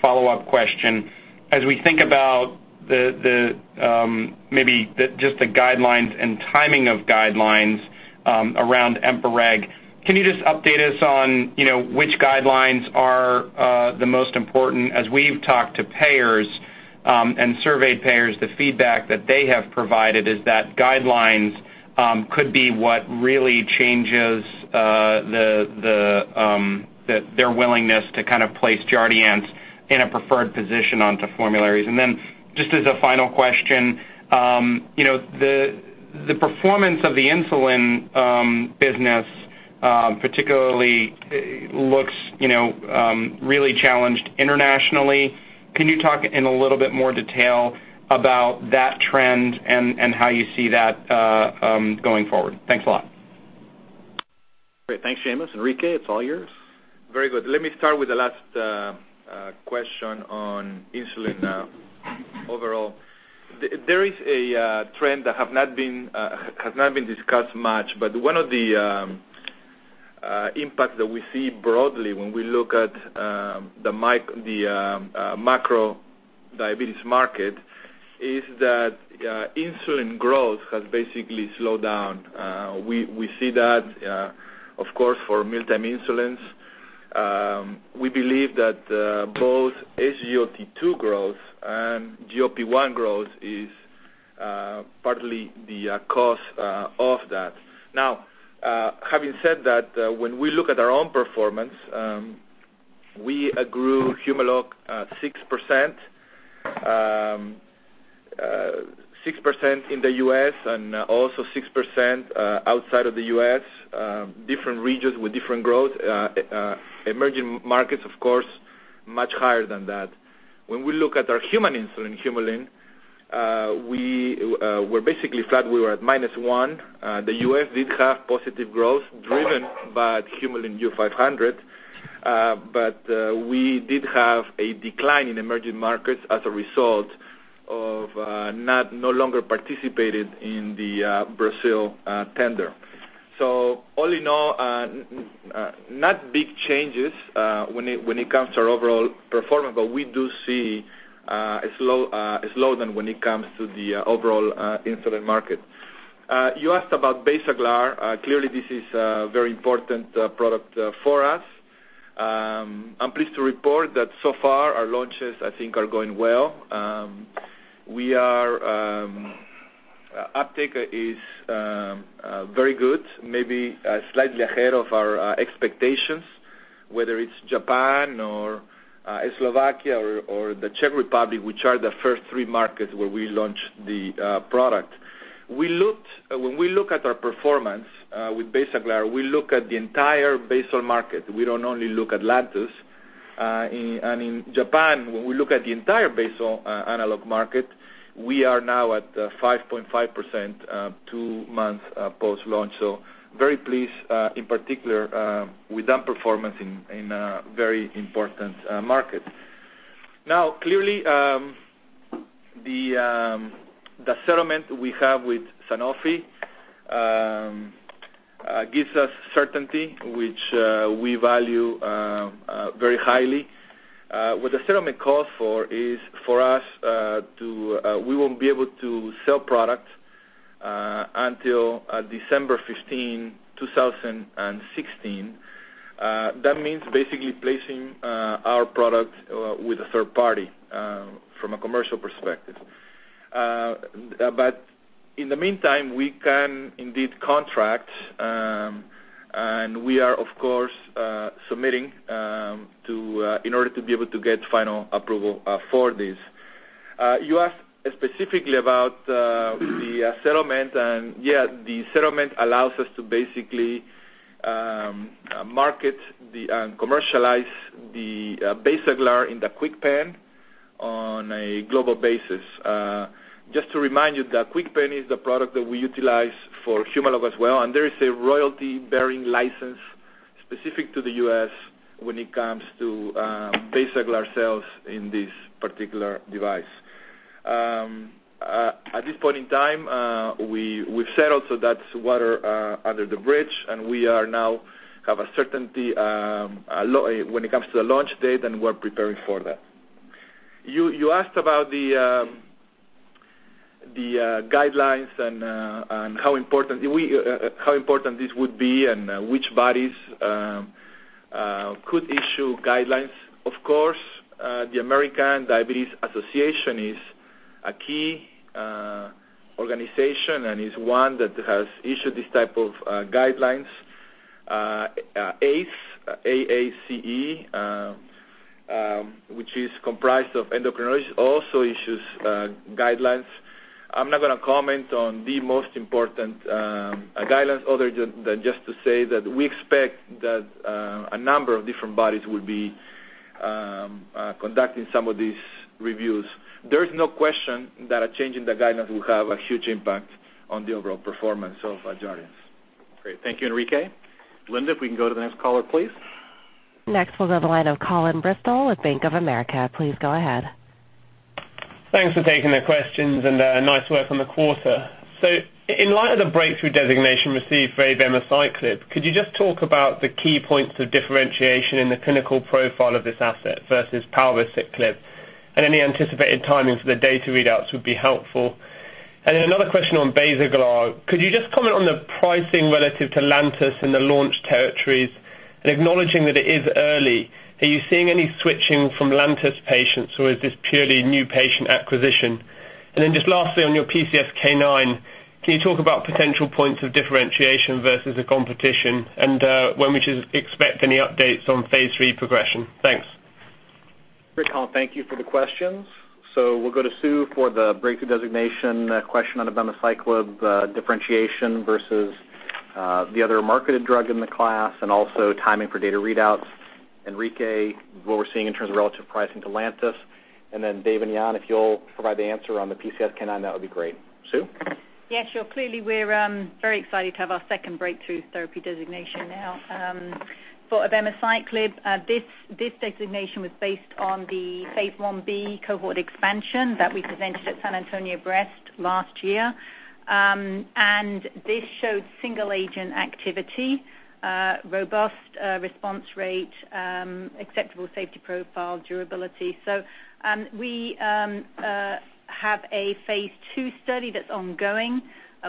follow-up question, as we think about maybe just the guidelines and timing of guidelines around EMPA-REG, can you just update us on which guidelines are the most important? As we've talked to payers and surveyed payers, the feedback that they have provided is that guidelines could be what really changes their willingness to place Jardiance in a preferred position onto formularies. Just as a final question, the performance of the insulin business particularly looks really challenged internationally. Can you talk in a little bit more detail about that trend and how you see that going forward? Thanks a lot. Great. Thanks, Seamus. Enrique, it's all yours. Very good. Let me start with the last question on insulin overall. There is a trend that has not been discussed much, but one of the impacts that we see broadly when we look at the macro diabetes market is that insulin growth has basically slowed down. We see that, of course, for mealtime insulins. We believe that both SGLT2 growth and GLP-1 growth is partly the cause of that. Having said that, when we look at our own performance, we grew Humalog 6% in the U.S. and also 6% outside of the U.S., different regions with different growth. Emerging markets, of course, much higher than that. When we look at our human insulin, Humulin, we're basically flat. We were at minus one. The U.S. did have positive growth driven by Humulin U-500. We did have a decline in emerging markets as a result of no longer participated in the Brazil tender. All in all, not big changes when it comes to our overall performance, but we do see a slowdown when it comes to the overall insulin market. You asked about Basaglar. Clearly, this is a very important product for us. I'm pleased to report that so far our launches, I think, are going well. Uptake is very good, maybe slightly ahead of our expectations, whether it's Japan or Slovakia or the Czech Republic, which are the first three markets where we launched the product. When we look at our performance with Basaglar, we look at the entire basal market. We don't only look at Lantus. In Japan, when we look at the entire basal analog market, we are now at 5.5% two months post-launch. Very pleased, in particular, with that performance in a very important market. Clearly, the settlement we have with Sanofi gives us certainty, which we value very highly. What the settlement calls for is for us to-- we won't be able to sell product until December 15, 2016. That means basically placing our product with a third party from a commercial perspective. In the meantime, we can indeed contract, and we are, of course, submitting in order to be able to get final approval for this. You asked specifically about the settlement. Yeah, the settlement allows us to basically market and commercialize the Basaglar in the KwikPen on a global basis. Just to remind you that KwikPen is the product that we utilize for Humalog as well, and there is a royalty-bearing license specific to the U.S. when it comes to Basaglar sales in this particular device. At this point in time, we've settled, so that's water under the bridge, and we now have a certainty when it comes to the launch date, and we're preparing for that. You asked about the guidelines and how important this would be and which bodies could issue guidelines. Of course, the American Diabetes Association is a key organization and is one that has issued this type of guidelines. AACE, which is comprised of endocrinologists, also issues guidelines. I'm not going to comment on the most important guidelines other than just to say that we expect that a number of different bodies will be conducting some of these reviews. There is no question that a change in the guidelines will have a huge impact on the overall performance of Jardiance. Great. Thank you, Enrique. Linda, if we can go to the next caller, please. Next, we'll go to the line of Colin Bristow with Bank of America. Please go ahead. Thanks for taking the questions, nice work on the quarter. In light of the breakthrough designation received for abemaciclib, could you just talk about the key points of differentiation in the clinical profile of this asset versus palbociclib, and any anticipated timings for the data readouts would be helpful. Another question on Basaglar. Could you just comment on the pricing relative to Lantus in the launch territories? Acknowledging that it is early, are you seeing any switching from Lantus patients, or is this purely new patient acquisition? Just lastly, on your PCSK9, can you talk about potential points of differentiation versus the competition and when we should expect any updates on phase III progression? Thanks. Great, Colin. Thank you for the questions. We'll go to Sue for the breakthrough designation question on abemaciclib differentiation versus the other marketed drug in the class, and also timing for data readouts. Enrique, what we're seeing in terms of relative pricing to Lantus, and then Dave and Jan, if you'll provide the answer on the PCSK9, that would be great. Sue? Yeah, sure. Clearly, we're very excited to have our second breakthrough therapy designation now. For abemaciclib, this designation was based on the phase I-B cohort expansion that we presented at San Antonio Breast Cancer Symposium last year. This showed single agent activity, robust response rate, acceptable safety profile, durability. We have a phase II study that's ongoing.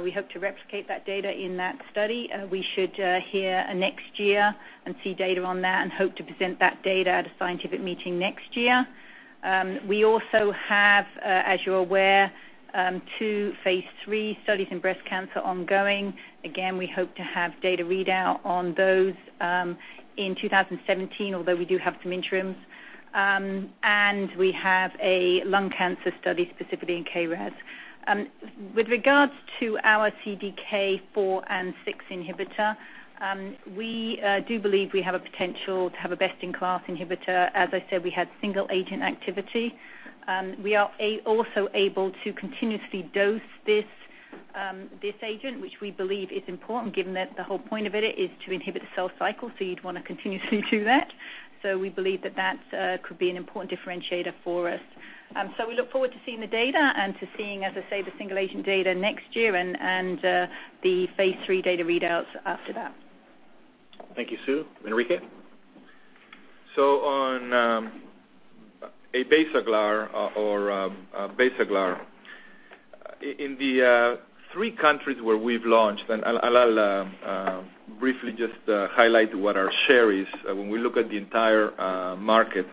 We hope to replicate that data in that study. We should hear next year and see data on that and hope to present that data at a scientific meeting next year. We also have, as you're aware, two phase III studies in breast cancer ongoing. Again, we hope to have data readout on those in 2017, although we do have some interims. We have a lung cancer study specifically in KRAS. With regards to our CDK4/6 inhibitor, we do believe we have a potential to have a best-in-class inhibitor. As I said, we had single agent activity. We are also able to continuously dose this agent, which we believe is important given that the whole point of it is to inhibit the cell cycle, so you'd want to continuously do that. We believe that that could be an important differentiator for us. We look forward to seeing the data and to seeing, as I say, the single agent data next year and the phase III data readouts after that. Thank you, Sue. Enrique? On a Basaglar or Basaglar, in the three countries where we have launched, I will briefly just highlight what our share is when we look at the entire market.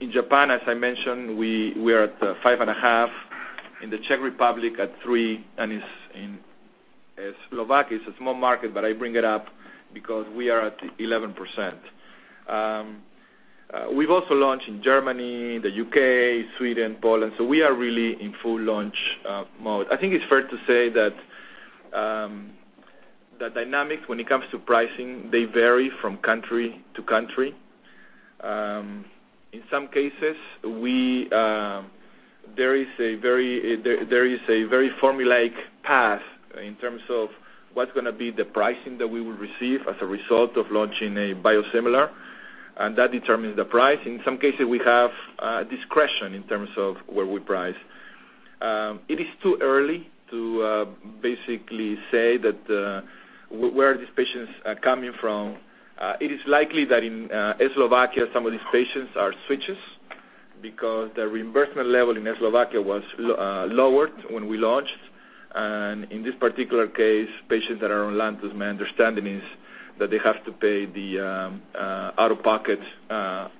In Japan, as I mentioned, we are at 5.5%, in the Czech Republic at 3%, and in Slovakia, it is a small market, but I bring it up because we are at 11%. We have also launched in Germany, the U.K., Sweden, Poland, so we are really in full launch mode. I think it is fair to say that the dynamics when it comes to pricing, they vary from country to country. In some cases, there is a very formulaic path in terms of what is going to be the pricing that we will receive as a result of launching a biosimilar, and that determines the price. In some cases, we have discretion in terms of where we price. It is too early to basically say that where these patients are coming from. It is likely that in Slovakia, some of these patients are switchers because the reimbursement level in Slovakia was lowered when we launched. In this particular case, patients that are on Lantus, my understanding is that they have to pay the out-of-pocket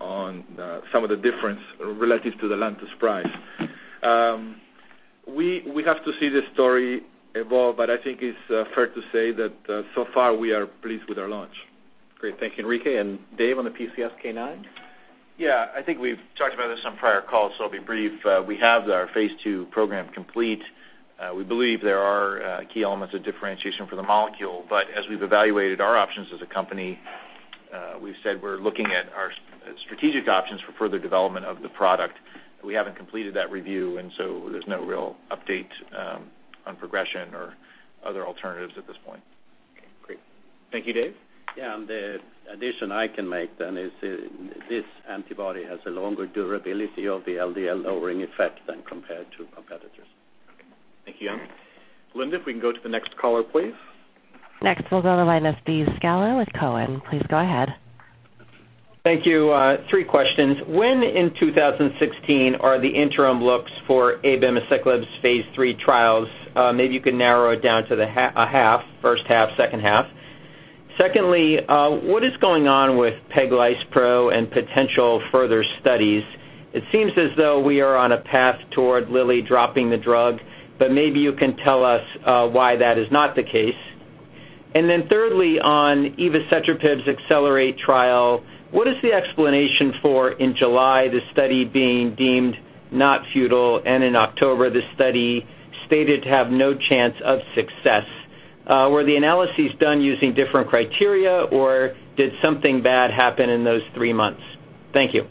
on some of the difference relative to the Lantus price. We have to see the story evolve, but I think it is fair to say that so far we are pleased with our launch. Great. Thank you, Enrique. Dave, on the PCSK9? I think we've talked about this on prior calls, so I'll be brief. We have our phase II program complete. We believe there are key elements of differentiation for the molecule. As we've evaluated our options as a company, we've said we're looking at our strategic options for further development of the product. We haven't completed that review, so there's no real update on progression or other alternatives at this point. Okay, great. Thank you, Dave. The addition I can make then is this antibody has a longer durability of the LDL lowering effect than compared to competitors. Okay. Thank you, Jan. Linda, if we can go to the next caller, please. Next, we'll go to the line of Steve Scala with Cowen. Please go ahead. Thank you. Three questions. When in 2016 are the interim looks for abemaciclib's phase III trials? Maybe you can narrow it down to a half, first half, second half. What is going on with peglispro and potential further studies? It seems as though we are on a path toward Lilly dropping the drug, but maybe you can tell us why that is not the case. Thirdly, on evacetrapib's ACCELERATE trial, what is the explanation for in July the study being deemed not futile, and in October, the study stated to have no chance of success. Were the analyses done using different criteria, or did something bad happen in those three months? Thank you.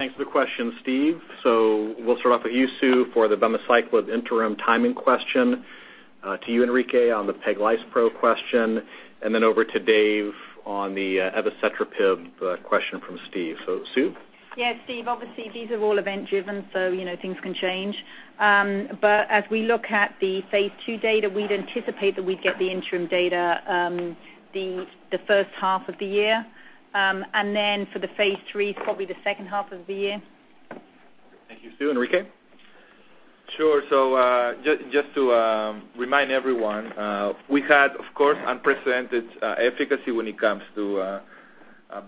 Thanks for the question, Steve. We'll start off with you, Sue, for the abemaciclib interim timing question, to you, Enrique, on the peglispro question, over to Dave on the evacetrapib question from Steve. Sue? Steve, obviously these are all event-driven, things can change. As we look at the phase II data, we'd anticipate that we'd get the interim data the first half of the year. For the phase III, it's probably the second half of the year. Thank you, Sue. Enrique? Just to remind everyone, we had, of course, unprecedented efficacy when it comes to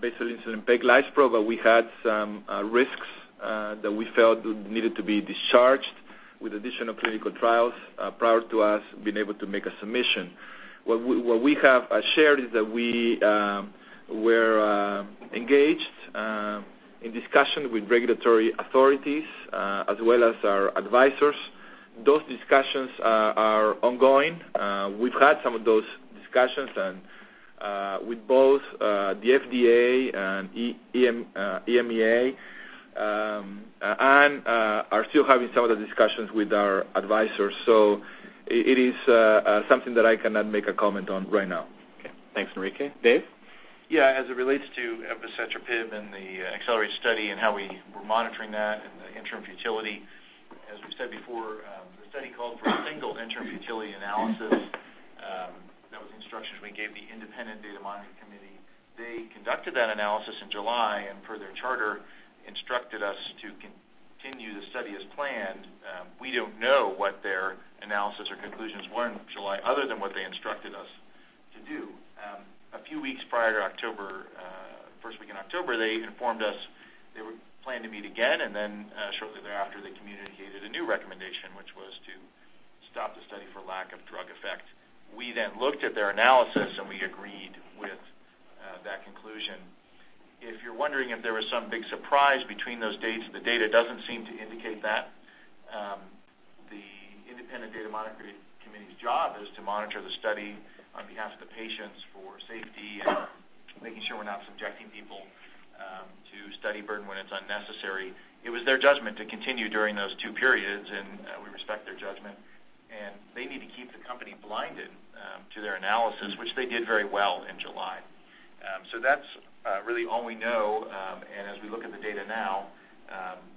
basal insulin peglispro, but we had some risks that we felt needed to be discharged with additional clinical trials prior to us being able to make a submission. What we have shared is that we were engaged in discussion with regulatory authorities, as well as our advisors. Those discussions are ongoing. We've had some of those discussions with both the FDA and EMEA, and are still having some of the discussions with our advisors. It is something that I cannot make a comment on right now. Okay. Thanks, Enrique. Dave? As it relates to evacetrapib and the ACCELERATE study and how we were monitoring that and the interim futility, as we said before, the study called for a single interim futility analysis. That was the instructions we gave the independent data monitoring committee. They conducted that analysis in July, and per their charter, instructed us to continue the study as planned. We don't know what their analysis or conclusions were in July other than what they instructed us to do. A few weeks prior, the first week in October, they informed us they planned to meet again. Shortly thereafter, they communicated a new recommendation, which was to stop the study for lack of drug effect. We looked at their analysis, and we agreed with that conclusion. If you're wondering if there was some big surprise between those dates, the data doesn't seem to indicate that. The independent data monitoring committee's job is to monitor the study on behalf of the patients for safety and making sure we're not subjecting people to study burden when it's unnecessary. It was their judgment to continue during those two periods, and we respect their judgment. They need to keep the company blinded to their analysis, which they did very well in July. That's really all we know. As we look at the data now,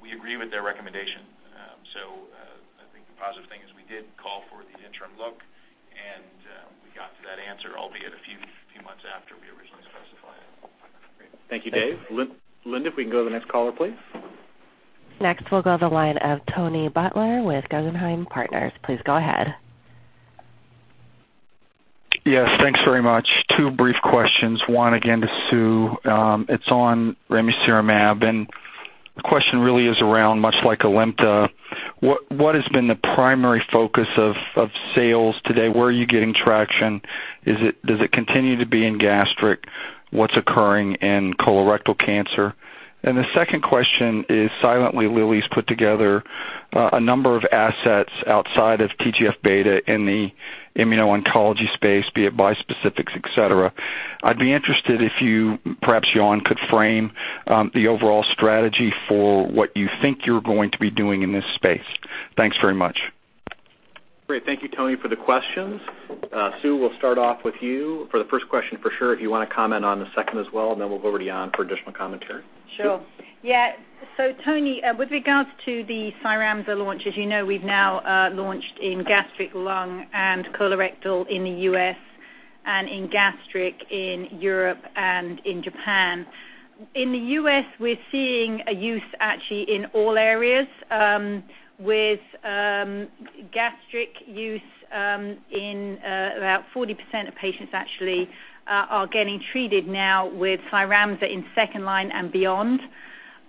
we agree with their recommendation. I think the positive thing is we did call for the interim look, and we got to that answer, albeit a few months after we originally specified. Great. Thank you, Dave. Linda, if we can go to the next caller, please. Next, we'll go to the line of Tony Butler with Guggenheim Partners. Please go ahead. Yes, thanks very much. Two brief questions. One again to Sue. It's on ramucirumab, and the question really is around, much like Alimta, what has been the primary focus of sales today? Where are you getting traction? Does it continue to be in gastric? What's occurring in colorectal cancer? The second question is, silently, Lilly's put together a number of assets outside of TGF-beta in the immuno-oncology space, be it bispecifics, et cetera. I'd be interested if you, perhaps Jan, could frame the overall strategy for what you think you're going to be doing in this space. Thanks very much. Great. Thank you, Tony, for the questions. Sue, we'll start off with you for the first question for sure. If you want to comment on the second as well, then we'll go over to Jan for additional commentary. Sure. Yeah. Tony, with regards to the CYRAMZA launch, as you know, we've now launched in gastric lung and colorectal in the U.S. and in gastric in Europe and in Japan. In the U.S., we're seeing a use actually in all areas, with gastric use in about 40% of patients actually are getting treated now with CYRAMZA in second line and beyond.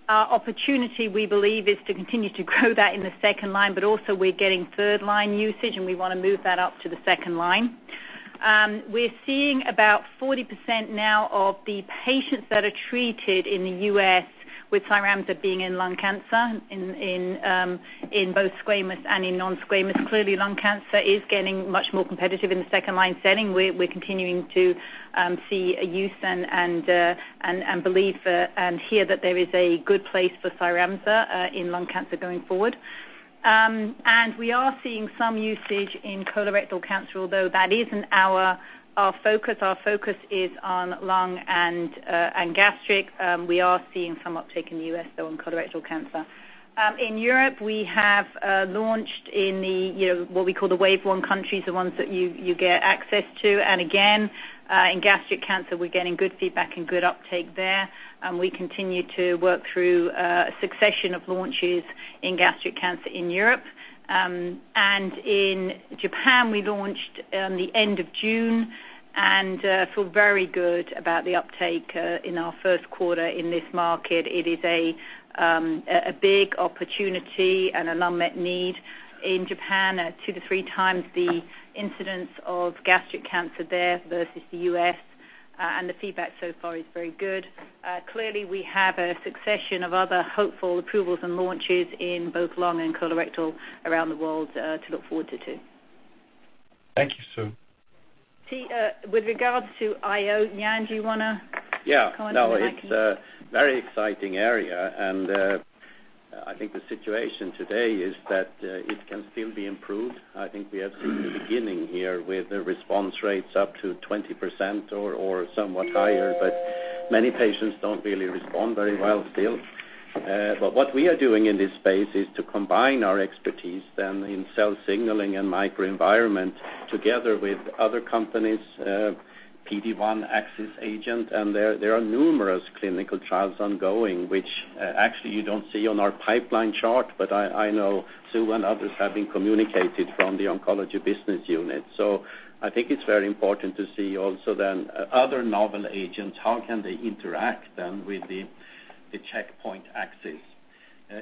Our opportunity, we believe, is to continue to grow that in the second line, also we're getting third-line usage, and we want to move that up to the second line. We're seeing about 40% now of the patients that are treated in the U.S. with CYRAMZA being in lung cancer, in both squamous and in non-squamous. Clearly, lung cancer is getting much more competitive in the second-line setting. We're continuing to see a use and believe and hear that there is a good place for CYRAMZA in lung cancer going forward. We are seeing some usage in colorectal cancer, although that isn't our focus. Our focus is on lung and gastric. We are seeing some uptake in the U.S., though, in colorectal cancer. In Europe, we have launched in what we call the wave one countries, the ones that you get access to. Again, in gastric cancer, we're getting good feedback and good uptake there. We continue to work through a succession of launches in gastric cancer in Europe. In Japan, we launched the end of June and feel very good about the uptake in our first quarter in this market. It is a big opportunity and an unmet need in Japan at two to three times the incidence of gastric cancer there versus the U.S., the feedback so far is very good. Clearly, we have a succession of other hopeful approvals and launches in both lung and colorectal around the world to look forward to, too. Thank you, Sue. See, with regards to IO, Jan, do you want to- Yeah comment on that? No, it's a very exciting area, and I think the situation today is that it can still be improved. I think we are still in the beginning here with the response rates up to 20% or somewhat higher, but many patients don't really respond very well still. What we are doing in this space is to combine our expertise then in cell signaling and microenvironment together with other companies, PD-1 axis agent. There are numerous clinical trials ongoing, which actually you don't see on our pipeline chart, but I know Sue and others have been communicated from the oncology business unit. I think it's very important to see also then other novel agents, how can they interact then with the checkpoint axis.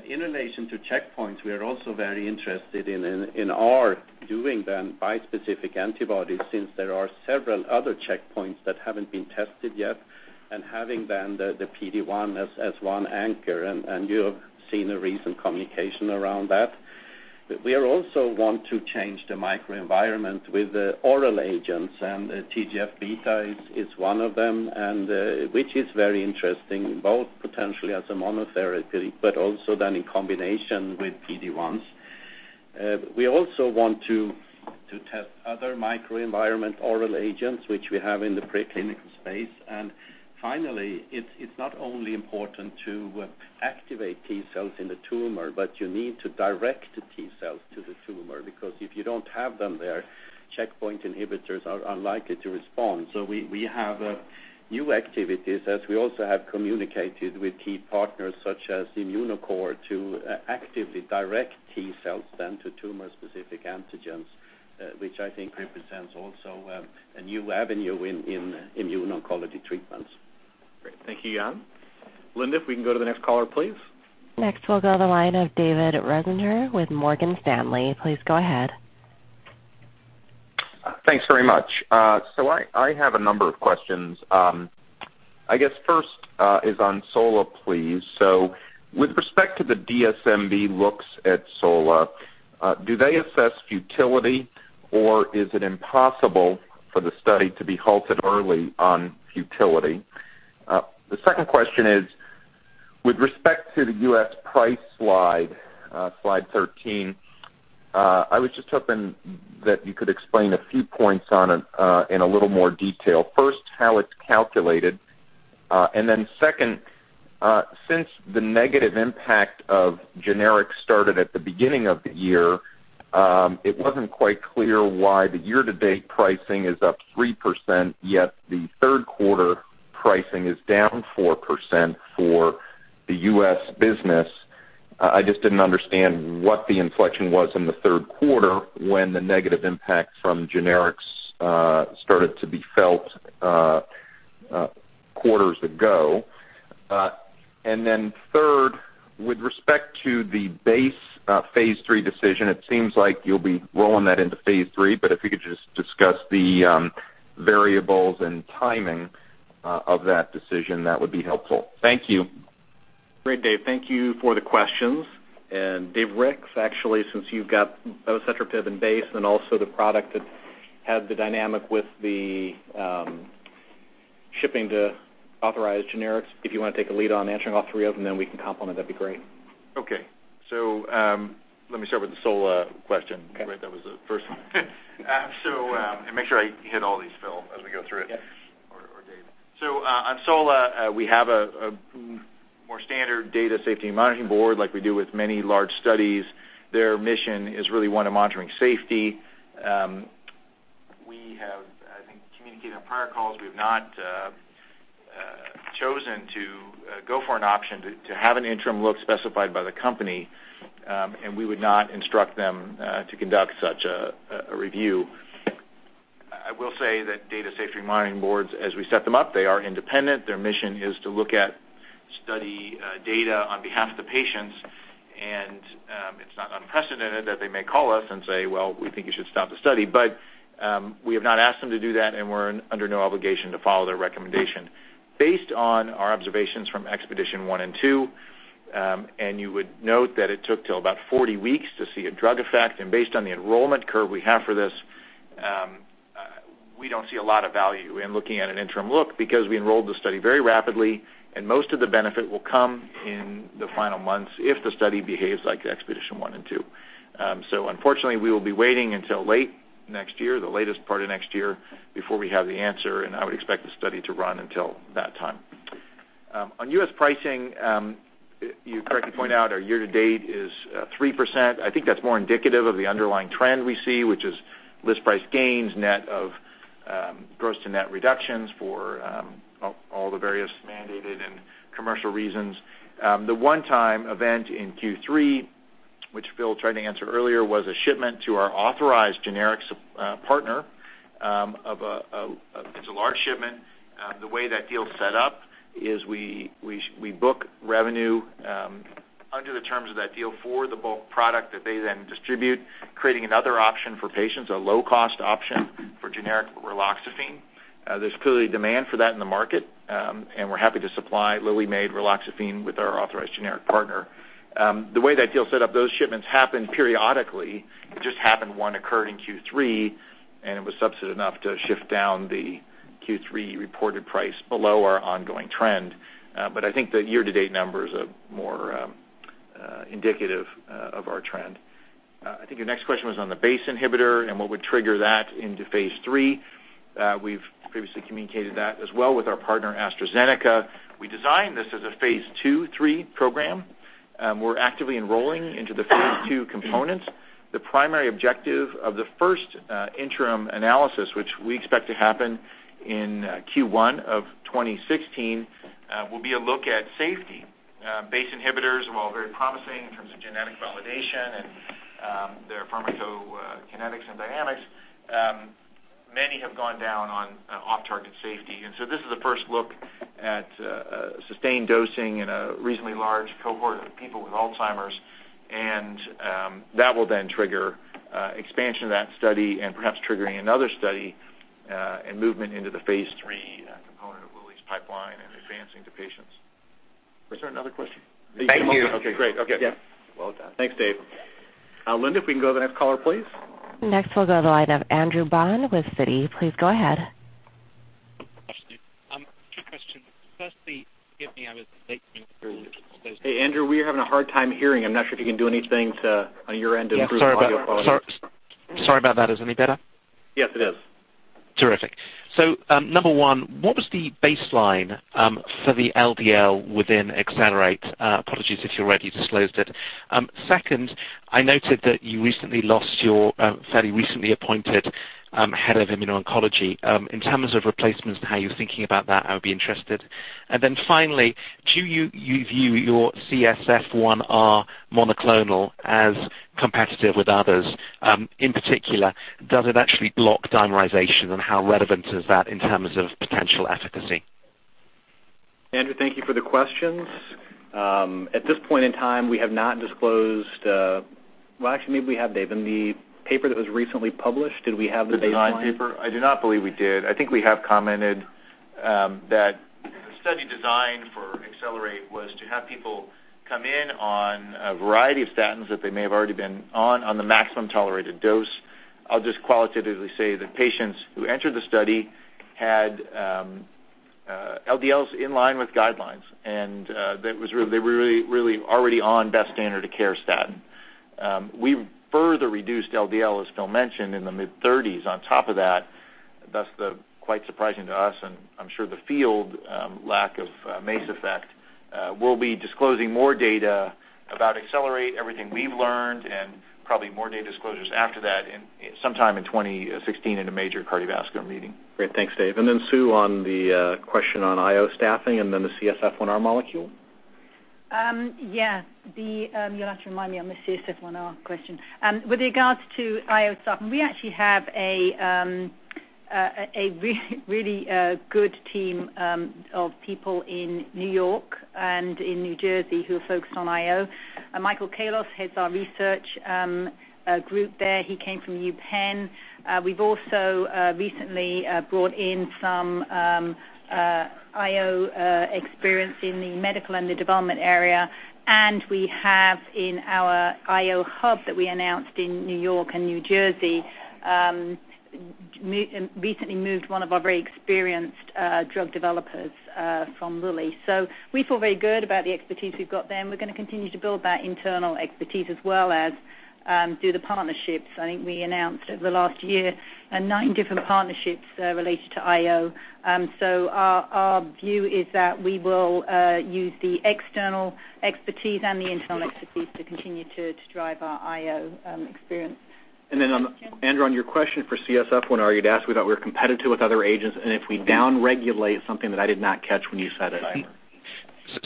In relation to checkpoints, we are also very interested in doing bispecific antibodies, since there are several other checkpoints that haven't been tested yet. Having the PD-1 as one anchor, you have seen a recent communication around that. We also want to change the microenvironment with oral agents, TGF-beta is one of them, which is very interesting both potentially as a monotherapy, but also in combination with PD-1s. We also want to test other microenvironment oral agents, which we have in the preclinical space. Finally, it's not only important to activate T-cells in the tumor, but you need to direct the T-cell to the tumor, because if you don't have them there, checkpoint inhibitors are unlikely to respond. We have new activities, as we also have communicated with key partners such as Immunocore to actively direct T-cells to tumor-specific antigens, which I think represents also a new avenue in immune oncology treatments. Great. Thank you, Jan. Linda, if we can go to the next caller, please. Next, we'll go to the line of David Risinger with Morgan Stanley. Please go ahead. Thanks very much. I have a number of questions. I guess first is on sola, please. With respect to the DSMB looks at sola, do they assess futility, or is it impossible for the study to be halted early on futility? The second question is, with respect to the U.S. price slide 13, I was just hoping that you could explain a few points on it in a little more detail. First, how it's calculated. Second, since the negative impact of generics started at the beginning of the year, it wasn't quite clear why the year-to-date pricing is up 3%, yet the third quarter pricing is down 4% for the U.S. business. I just didn't understand what the inflection was in the third quarter when the negative impact from generics started to be felt quarters ago. Third, with respect to the BACE phase III decision, it seems like you'll be rolling that into phase III, but if you could just discuss the variables and timing of that decision, that would be helpful. Thank you. Great, Dave. Thank you for the questions. David Ricks, actually, since you've got both evacetrapib and BACE and also the product that had the dynamic with the shipping the authorized generics, if you want to take a lead on answering all three of them, then we can complement, that would be great. Okay. Let me start with the sola question. Okay. Great. That was the first one. Make sure I hit all these, Phil, as we go through it. Yes. Dave. On sola, we have a more standard data safety monitoring board like we do with many large studies. Their mission is really one of monitoring safety. We have, I think, communicated on prior calls, we have not chosen to go for an option to have an interim look specified by the company, we would not instruct them to conduct such a review. I will say that data safety monitoring boards, as we set them up, they are independent. Their mission is to look at study data on behalf of the patients, it's not unprecedented that they may call us and say, "Well, we think you should stop the study." We have not asked them to do that, and we're under no obligation to follow their recommendation. Based on our observations from EXPEDITION1 and EXPEDITION2, you would note that it took till about 40 weeks to see a drug effect, based on the enrollment curve we have for this, we don't see a lot of value in looking at an interim look because we enrolled the study very rapidly, most of the benefit will come in the final months if the study behaves like EXPEDITION1 and EXPEDITION2. Unfortunately, we will be waiting until late next year, the latest part of next year, before we have the answer, I would expect the study to run until that time. On U.S. pricing, you correctly point out our year-to-date is 3%. I think that's more indicative of the underlying trend we see, which is list price gains, net of gross-to-net reductions for all the various mandated and commercial reasons. The one-time event in Q3, which Phil tried to answer earlier, was a shipment to our authorized generics partner. It's a large shipment. The way that deal's set up is we book revenue under the terms of that deal for the bulk product that they then distribute, creating another option for patients, a low-cost option for generic raloxifene. There's clearly demand for that in the market, we're happy to supply Lilly-made raloxifene with our authorized generic partner. The way that deal is set up, those shipments happen periodically. It just happened one occurred in Q3, it was substantive enough to shift down the Q3 reported price below our ongoing trend. I think the year-to-date number is more indicative of our trend. I think your next question was on the BACE inhibitor and what would trigger that into phase III. We've previously communicated that as well with our partner, AstraZeneca. We designed this as a phase II, III program. We're actively enrolling into the phase II component. The primary objective of the first interim analysis, which we expect to happen in Q1 of 2016, will be a look at safety. BACE inhibitors, while very promising in terms of genetic validation and their pharmacokinetics and dynamics, many have gone down on off-target safety. This is the first look at sustained dosing in a reasonably large cohort of people with Alzheimer's, and that will then trigger expansion of that study and perhaps triggering another study, and movement into the phase III component of Lilly's pipeline and advancing to patients. Was there another question? Thank you. Okay, great. Okay. Yeah. Well done. Thanks, Dave. Linda, if we can go to the next caller, please. Next, we'll go to the line of Andrew Baum with Citi. Please go ahead. Question. Two questions. Firstly, forgive me, I was late coming through. Hey, Andrew, we are having a hard time hearing. I'm not sure if you can do anything on your end to improve the audio quality. Sorry about that. Is that any better? Yes, it is. Terrific. Number one, what was the baseline for the LDL within ACCELERATE? Apologies if you've already disclosed it. Second, I noted that you recently lost your fairly recently appointed head of immuno-oncology. In terms of replacements and how you're thinking about that, I would be interested. Finally, do you view your CSF1R monoclonal as competitive with others? In particular, does it actually block dimerization, and how relevant is that in terms of potential efficacy? Andrew, thank you for the questions. At this point in time, we have not disclosed actually, maybe we have, Dave. In the paper that was recently published, did we have the baseline? The design paper? I do not believe we did. I think we have commented that the study design for ACCELERATE was to have people come in on a variety of statins that they may have already been on the maximum tolerated dose. I'll just qualitatively say that patients who entered the study had LDLs in line with guidelines, and they were really already on best standard of care statin. We further reduced LDL, as Phil mentioned, in the mid-thirties on top of that. Thus, the quite surprising to us and I'm sure the field lack of MACE effect. We'll be disclosing more data about ACCELERATE, everything we've learned and probably more data disclosures after that sometime in 2016 at a major cardiovascular meeting. Great. Thanks, Dave. Sue, on the question on IO staffing and the CSF1R molecule. Yeah. You'll have to remind me on the CSF1R question. With regards to IO staffing, we actually have a really good team of people in New York and in New Jersey who are focused on IO. Michael Kalos heads our research group there. He came from UPenn. We've also recently brought in some IO experience in the medical and the development area, and we have in our IO hub that we announced in New York and New Jersey, recently moved one of our very experienced drug developers from Lilly. We feel very good about the expertise we've got there, and we're going to continue to build that internal expertise as well as do the partnerships. We announced over the last year nine different partnerships related to IO. Our view is that we will use the external expertise and the internal expertise to continue to drive our IO experience. Andrew, on your question for CSF1R, you'd asked if we thought we were competitive with other agents and if we down-regulate something that I did not catch when you said it.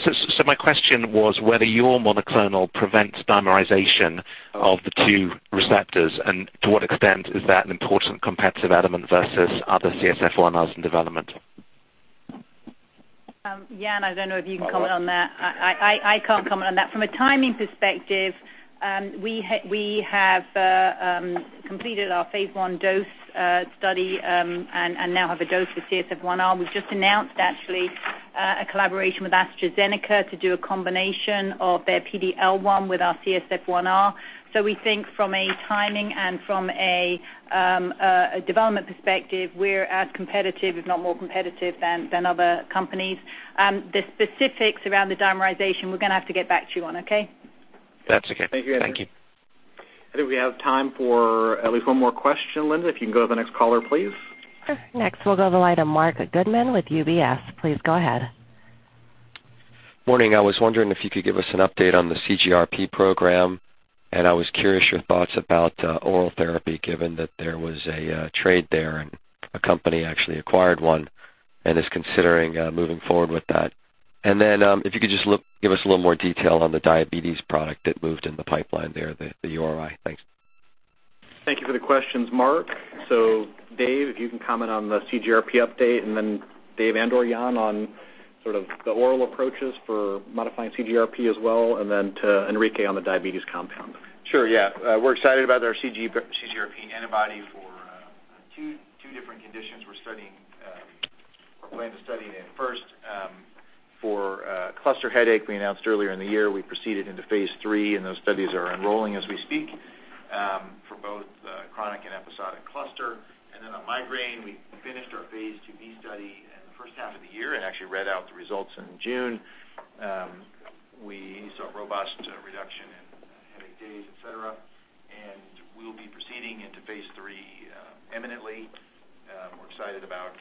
Dimer. My question was whether your monoclonal prevents dimerization of the two receptors, and to what extent is that an important competitive element versus other CSF1Rs in development? Yan, I don't know if you can comment on that. I can't comment on that. From a timing perspective, we have completed our phase I dose study and now have a dose for CSF1R. We've just announced actually a collaboration with AstraZeneca to do a combination of their PD-L1 with our CSF1R. We think from a timing and from a development perspective, we're as competitive, if not more competitive than other companies. The specifics around the dimerization, we're going to have to get back to you on, okay? That's okay. Thank you. Thank you, Andrew. I think we have time for at least one more question. Linda, if you can go to the next caller, please. Sure. Next, we'll go to the line of Marc Goodman with UBS. Please go ahead. Morning. I was wondering if you could give us an update on the CGRP program. I was curious your thoughts about oral therapy, given that there was a trade there and a company actually acquired one and is considering moving forward with that. Then if you could just give us a little more detail on the diabetes product that moved in the pipeline there, the URLi. Thanks. Thank you for the questions, Marc. Dave, if you can comment on the CGRP update, then Dave and/or Yan on sort of the oral approaches for modifying CGRP as well, and then to Enrique on the diabetes compound. Sure, yeah. We're excited about our CGRP antibody for two different conditions we're planning to study in. First, for cluster headache, we announced earlier in the year, we proceeded into phase III. Those studies are enrolling as we speak, for both chronic and episodic cluster. Then on migraine, we finished our phase II-B study in the first half of the year and actually read out the results in June. We saw robust reduction in headache days, et cetera. We'll be proceeding into phase III imminently. We're excited about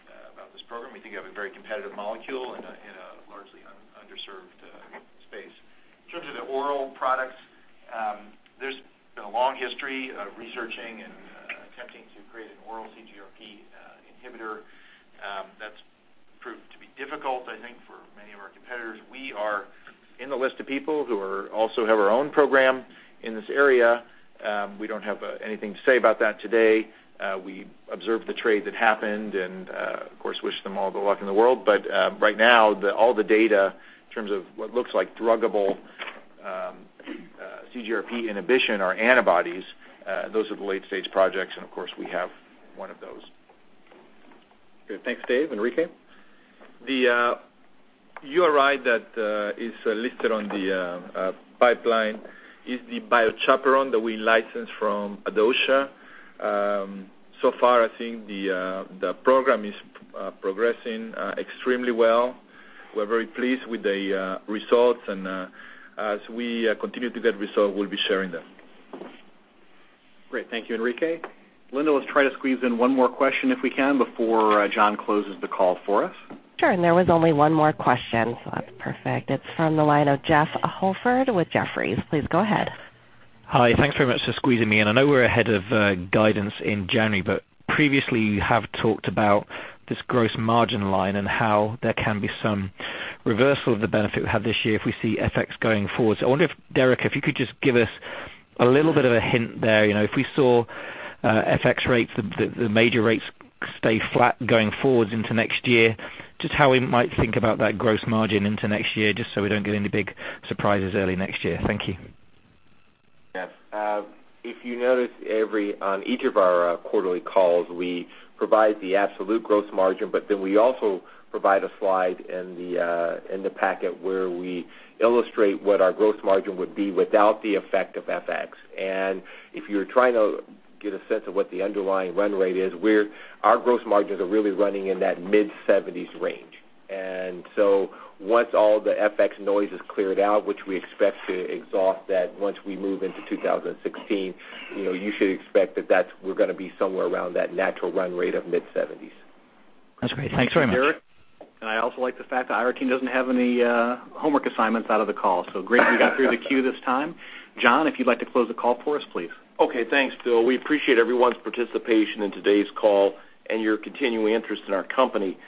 this program. We think we have a very competitive molecule in a largely underserved space. In terms of the oral products, there's been a long history of researching and attempting to create an oral CGRP inhibitor. That's proved to be difficult, I think, for many of our competitors. We are in the list of people who also have our own program in this area. We don't have anything to say about that today. We observed the trade that happened and of course, wish them all the luck in the world. Right now, all the data in terms of what looks like druggable CGRP inhibition are antibodies. Those are the late-stage projects, and of course, we have one of those. Good. Thanks, Dave. Enrique? The URLi that is listed on the pipeline is the BioChaperone that we licensed from Adocia. So far, I think the program is progressing extremely well. We're very pleased with the results, and as we continue to get results, we'll be sharing them. Great. Thank you, Enrique. Linda, let's try to squeeze in one more question if we can before John closes the call for us. Sure, and there was only one more question, so that's perfect. It's from the line of Jeffrey Holford with Jefferies. Please go ahead. Hi. Thanks very much for squeezing me in. I know we're ahead of guidance in January, but previously you have talked about this gross margin line and how there can be some reversal of the benefit we have this year if we see FX going forward. I wonder if, Derica, if you could just give us a little bit of a hint there. If we saw FX rates, the major rates stay flat going forward into next year, just how we might think about that gross margin into next year, just so we don't get any big surprises early next year. Thank you. Yes. If you notice on each of our quarterly calls, we provide the absolute gross margin, but then we also provide a slide in the packet where we illustrate what our gross margin would be without the effect of FX. If you're trying to get a sense of what the underlying run rate is, our gross margins are really running in that mid-seventies range. Once all the FX noise is cleared out, which we expect to exhaust that once we move into 2016, you should expect that we're going to be somewhere around that natural run rate of mid-seventies. That's great. Thanks very much. Derica, I also like the fact that our team doesn't have any homework assignments out of the call. Great we got through the queue this time. John, if you'd like to close the call for us, please. Okay, thanks, Phil. We appreciate everyone's participation in today's call and your continuing interest in our company.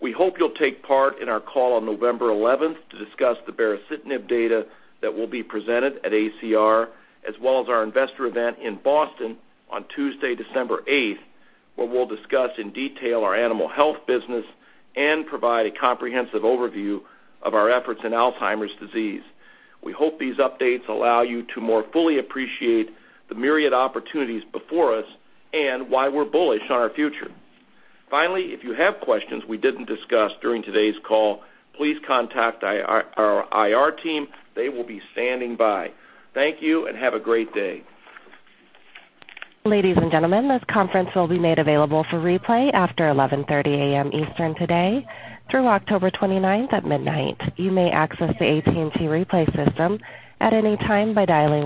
We hope you'll take part in our call on November 11th to discuss the baricitinib data that will be presented at ACR, as well as our investor event in Boston on Tuesday, December 8th, where we'll discuss in detail our animal health business and provide a comprehensive overview of our efforts in Alzheimer's disease. We hope these updates allow you to more fully appreciate the myriad opportunities before us and why we're bullish on our future. Finally, if you have questions we didn't discuss during today's call, please contact our IR team. They will be standing by. Thank you and have a great day. Ladies and gentlemen, this conference will be made available for replay after 11:30 A.M. Eastern today through October 29th at midnight. You may access the AT&T replay system at any time by dialing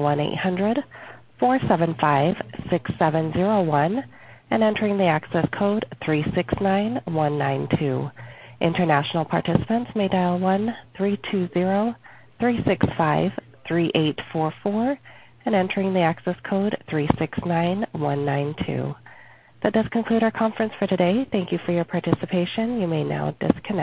1-800-475-6701 and entering the access code 369192. International participants may dial 1-320-365-3844 and entering the access code 369192. This concludes our conference for today. Thank you for your participation. You may now disconnect.